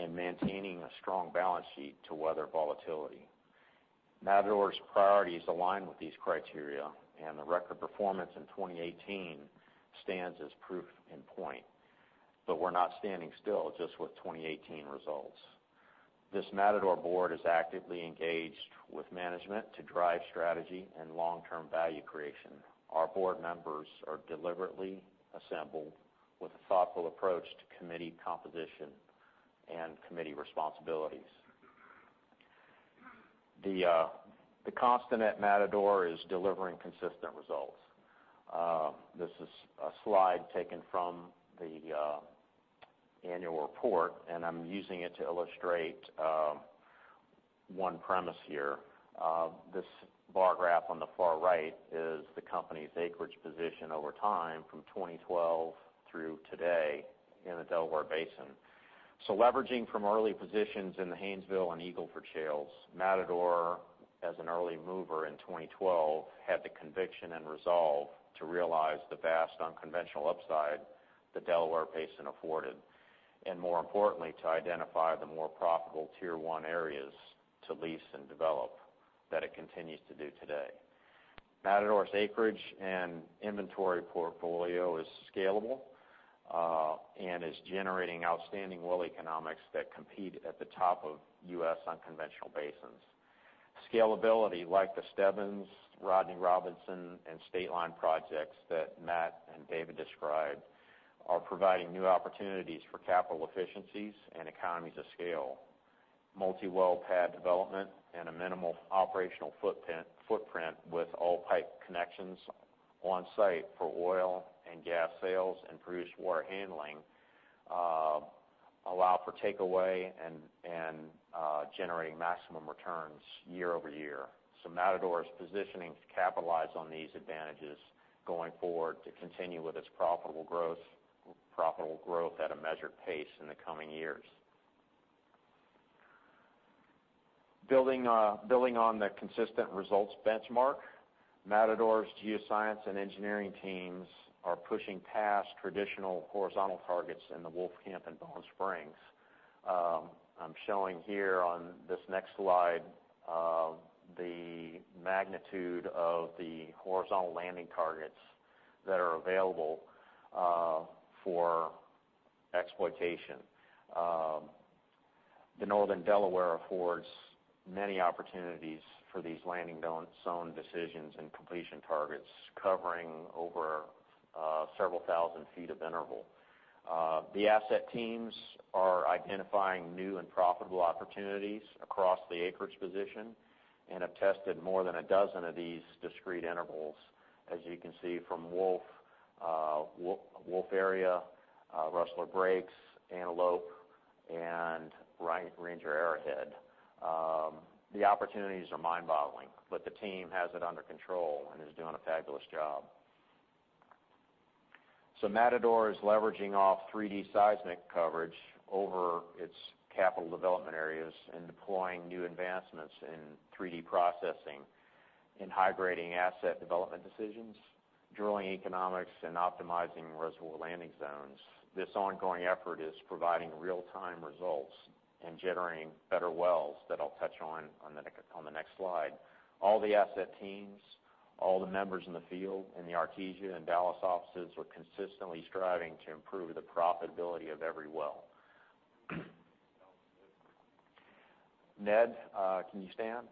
and maintaining a strong balance sheet to weather volatility. Matador's priorities align with these criteria, and the record performance in 2018 stands as proof and point. We are not standing still just with 2018 results. This Matador board is actively engaged with management to drive strategy and long-term value creation. Our board members are deliberately assembled with a thoughtful approach to committee composition and committee responsibilities. The constant at Matador is delivering consistent results. This is a slide taken from the annual report, and I am using it to illustrate one premise here. This bar graph on the far right is the company's acreage position over time from 2012 through today in the Delaware Basin. Leveraging from early positions in the Haynesville and Eagle Ford shales, Matador, as an early mover in 2012, had the conviction and resolve to realize the vast unconventional upside the Delaware Basin afforded. More importantly, to identify the more profitable Tier 1 areas to lease and develop, that it continues to do today. Matador's acreage and inventory portfolio is scalable, and is generating outstanding well economics that compete at the top of U.S. unconventional basins. Scalability, like the Stebbins, Rodney Robinson, and State Line projects that Matt and David described, are providing new opportunities for capital efficiencies and economies of scale. Multi-well pad development and a minimal operational footprint with all pipe connections on site for oil and gas sales and produced water handling allow for takeaway and generating maximum returns year-over-year. Matador is positioning to capitalize on these advantages going forward to continue with its profitable growth at a measured pace in the coming years. Building on the consistent results benchmark, Matador's geoscience and engineering teams are pushing past traditional horizontal targets in the Wolfcamp and Bone Spring. I am showing here on this next slide the magnitude of the horizontal landing targets that are available for exploitation. The Northern Delaware affords many opportunities for these landing zone decisions and completion targets, covering over several thousand feet of interval. The asset teams are identifying new and profitable opportunities across the acreage position and have tested more than a dozen of these discrete intervals. As you can see from Wolf Area, Rustler Breaks, Antelope, and Ranger Arrowhead. The opportunities are mind-boggling, but the team has it under control and is doing a fabulous job. Matador is leveraging off 3D seismic coverage over its capital development areas and deploying new advancements in 3D processing in high-grading asset development decisions, drilling economics, and optimizing reservoir landing zones. This ongoing effort is providing real-time results and generating better well. I will touch on the next slide. All the asset teams, all the members in the field in the Artesia and Dallas offices were consistently striving to improve the profitability of every well. Ned, can you stand?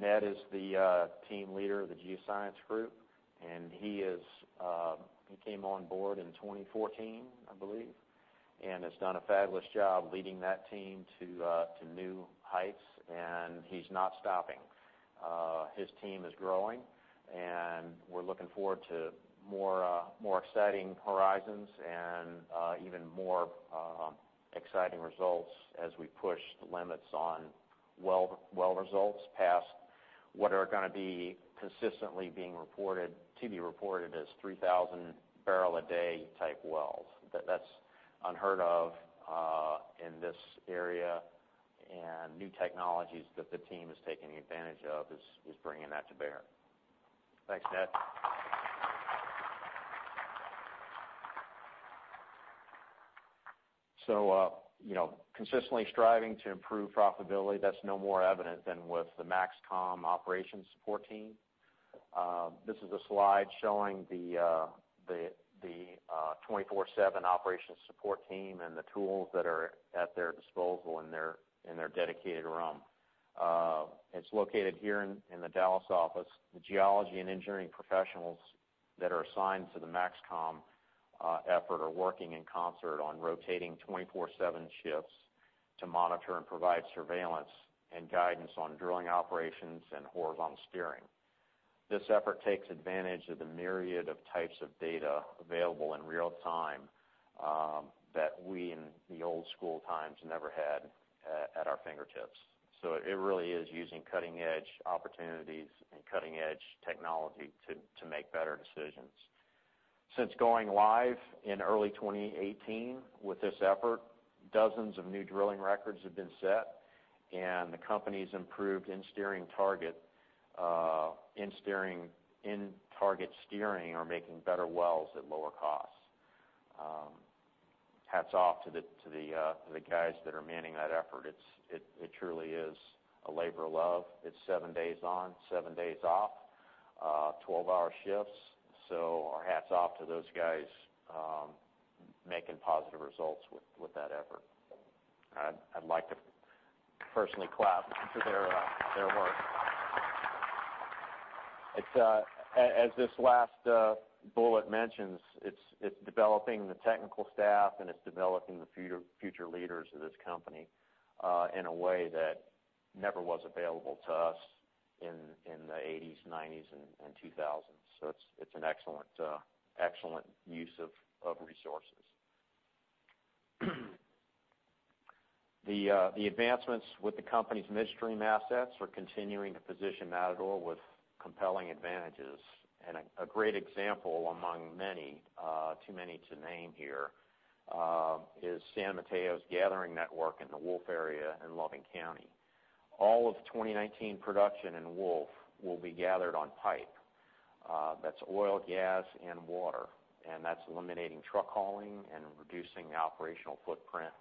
Ned is the Team Leader of the Geoscience Group, he came on board in 2014, I believe, and has done a fabulous job leading that team to new heights, and he's not stopping. His team is growing, we're looking forward to more exciting horizons and even more exciting results as we push the limits on well results past what are going to be consistently being reported to be reported as 3,000 barrel-a-day type wells. That's unheard of in this area, new technologies that the team is taking advantage of is bringing that to bear. Thanks, Ned. Consistently striving to improve profitability, that's no more evident than with the MAXCOM operations support team. This is a slide showing the 24/7 operations support team and the tools that are at their disposal in their dedicated room. It's located here in the Dallas office. The geology and engineering professionals that are assigned to the MAXCOM effort are working in concert on rotating 24/7 shifts to monitor and provide surveillance and guidance on drilling operations and horizontal steering. This effort takes advantage of the myriad of types of data available in real time that we, in the old school times, never had at our fingertips. It really is using cutting-edge opportunities and cutting-edge technology to make better decisions. Since going live in early 2018 with this effort, dozens of new drilling records have been set and the company's improved in target steering or making better wells at lower costs. Hats off to the guys that are manning that effort. It truly is a labor of love. It's seven days on, seven days off, 12-hour shifts. Our hats off to those guys making positive results with that effort. I'd like to personally clap for their work. As this last bullet mentions, it's developing the technical staff, it's developing the future leaders of this company, in a way that never was available to us in the '80s, '90s, and 2000s. It's an excellent use of resources. The advancements with the company's midstream assets are continuing to position Matador with compelling advantages. A great example among many, too many to name here, is San Mateo's gathering network in the Wolfcamp area in Loving County. All of 2019 production in Wolfcamp will be gathered on pipe. That's oil, gas, and water, that's eliminating truck hauling and reducing the operational footprint.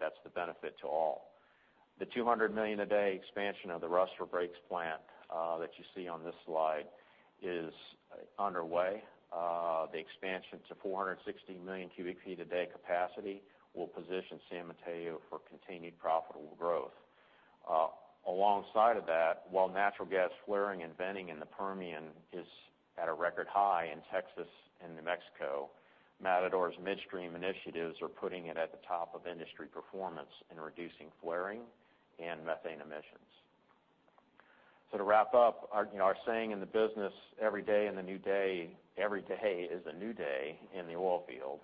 That's the benefit to all. The 200 million per day expansion of the Rustler Breaks plant that you see on this slide is underway. The expansion to 460 million cubic feet per day capacity will position San Mateo for continued profitable growth. Alongside of that, while natural gas flaring and venting in the Permian is at a record high in Texas and New Mexico, Matador's midstream initiatives are putting it at the top of industry performance in reducing flaring and methane emissions. To wrap up our saying in the business, every day is a new day in the oil field.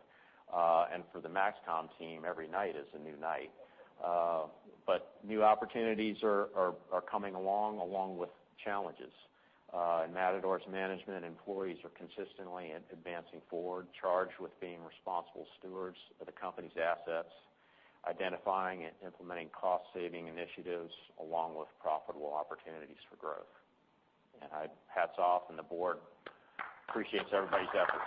For the MAXCOM team, every night is a new night. New opportunities are coming along with challenges. Matador's management employees are consistently advancing forward, charged with being responsible stewards of the company's assets, identifying and implementing cost saving initiatives, along with profitable opportunities for growth. Hats off, and the board appreciates everybody's effort.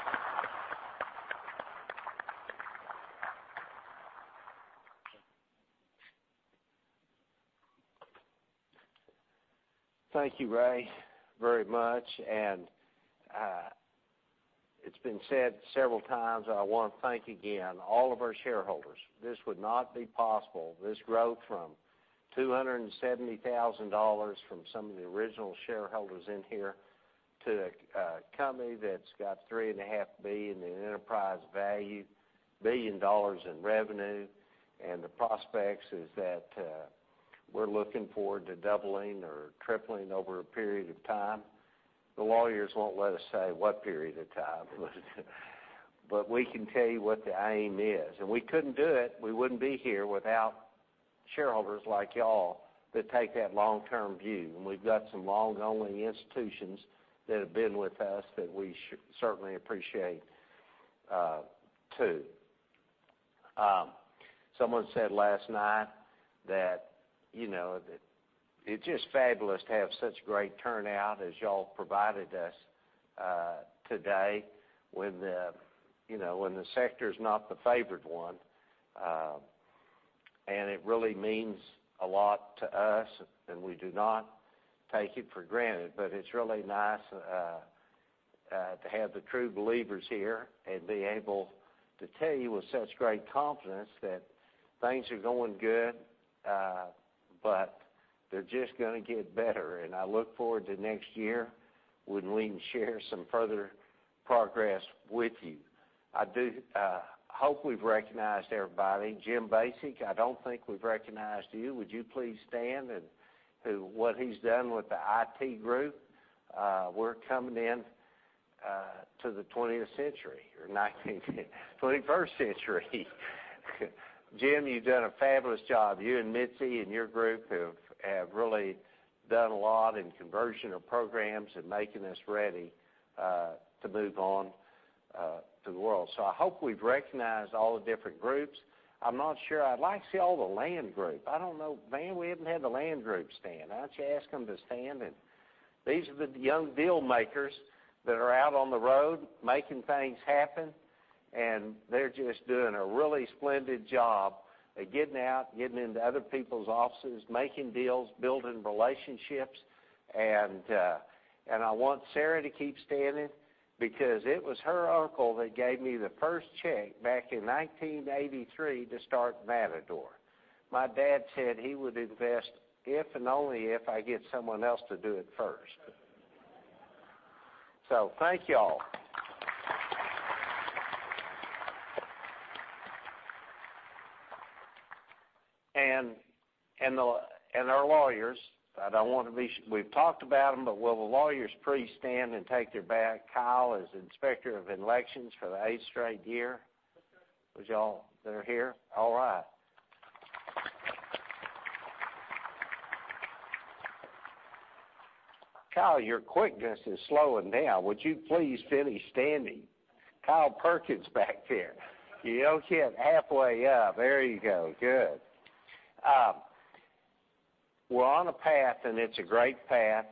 Thank you, Ray, very much. It's been said several times, I want to thank again all of our shareholders. This would not be possible, this growth from $270,000 from some of the original shareholders in here to a company that's got $3.5 billion in the enterprise value, $1 billion in revenue. The prospects is that we're looking forward to doubling or tripling over a period of time. The lawyers won't let us say what period of time, but we can tell you what the aim is. We couldn't do it, we wouldn't be here without shareholders like you all that take that long only view. We've got some long only institutions that have been with us that we certainly appreciate, too. Someone said last night. It's just fabulous to have such great turnout as you all provided us today when the sector's not the favored one. It really means a lot to us, and we do not take it for granted. It's really nice to have the true believers here and be able to tell you with such great confidence that things are going good, but they're just going to get better. I look forward to next year when we can share some further progress with you. I hope we've recognized everybody. [Jim Basich], I don't think we've recognized you. Would you please stand? What he's done with the IT group, we're coming into the 20th century or 21st century. Jim, you've done a fabulous job. You and Mitzi and your group have really done a lot in conversion of programs and making us ready to move on to the world. I hope we've recognized all the different groups. I'm not sure. I'd like to see all the land group. I don't know. Man, we haven't had the land group stand. Why don't you ask them to stand? These are the young deal makers that are out on the road making things happen, and they're just doing a really splendid job at getting out, getting into other people's offices, making deals, building relationships. I want Sarah to keep standing because it was her uncle that gave me the first check back in 1983 to start Matador. My dad said he would invest if and only if I get someone else to do it first. Thank you all. Our lawyers, we've talked about them, will the lawyers please stand and take their bow? Kyle is Inspector of Elections for the eighth straight year. Would you all that are here? All right. Kyle, your quickness is slowing down. Would you please finish standing? Kyle Perkins back there. You're only halfway up. There you go. Good. We're on a path, it's a great path.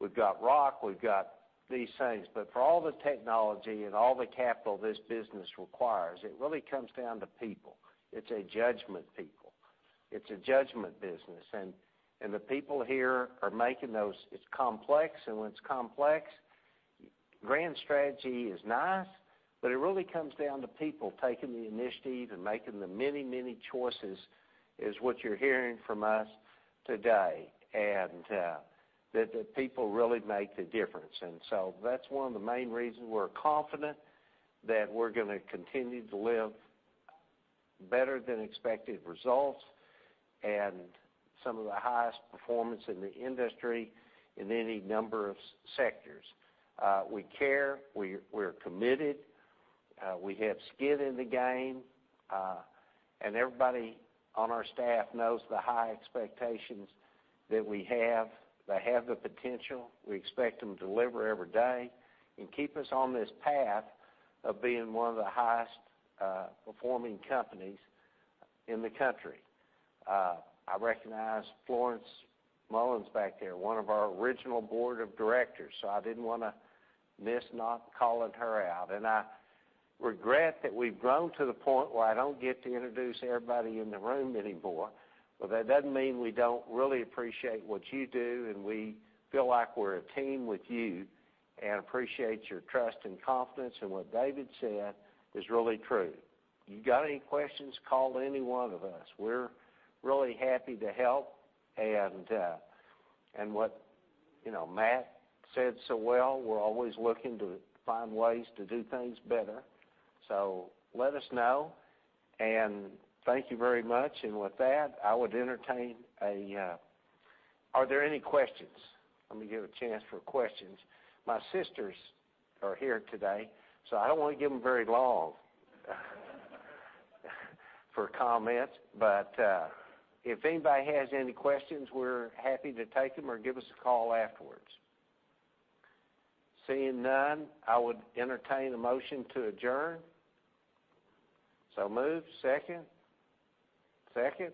We've got rock, we've got these things, but for all the technology and all the capital this business requires, it really comes down to people. It's a judgment business. The people here are making those. It's complex. When it's complex, grand strategy is nice, but it really comes down to people taking the initiative and making the many, many choices, is what you're hearing from us today, that the people really make the difference. That's one of the main reasons we're confident that we're going to continue to live better than expected results and some of the highest performance in the industry in any number of sectors. We care. We're committed. We have skin in the game. Everybody on our staff knows the high expectations that we have. They have the potential. We expect them to deliver every day and keep us on this path of being one of the highest-performing companies in the country. I recognize Florence Mullins back there, one of our original board of directors, so I didn't want to miss not calling her out. I regret that we've grown to the point where I don't get to introduce everybody in the room anymore, but that doesn't mean we don't really appreciate what you do, we feel like we're a team with you and appreciate your trust and confidence. What David said is really true. You got any questions, call any one of us. We're really happy to help. What Matt said so well, we're always looking to find ways to do things better. Let us know, thank you very much. With that, I would entertain. Are there any questions? Let me give a chance for questions. My sisters are here today, I don't want to give them very long for comments. If anybody has any questions, we're happy to take them or give us a call afterwards. Seeing none, I would entertain a motion to adjourn. Moved. Second? Second.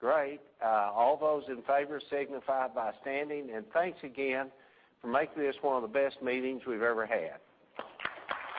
Great. All those in favor, signify by standing. Thanks again for making this one of the best meetings we've ever had.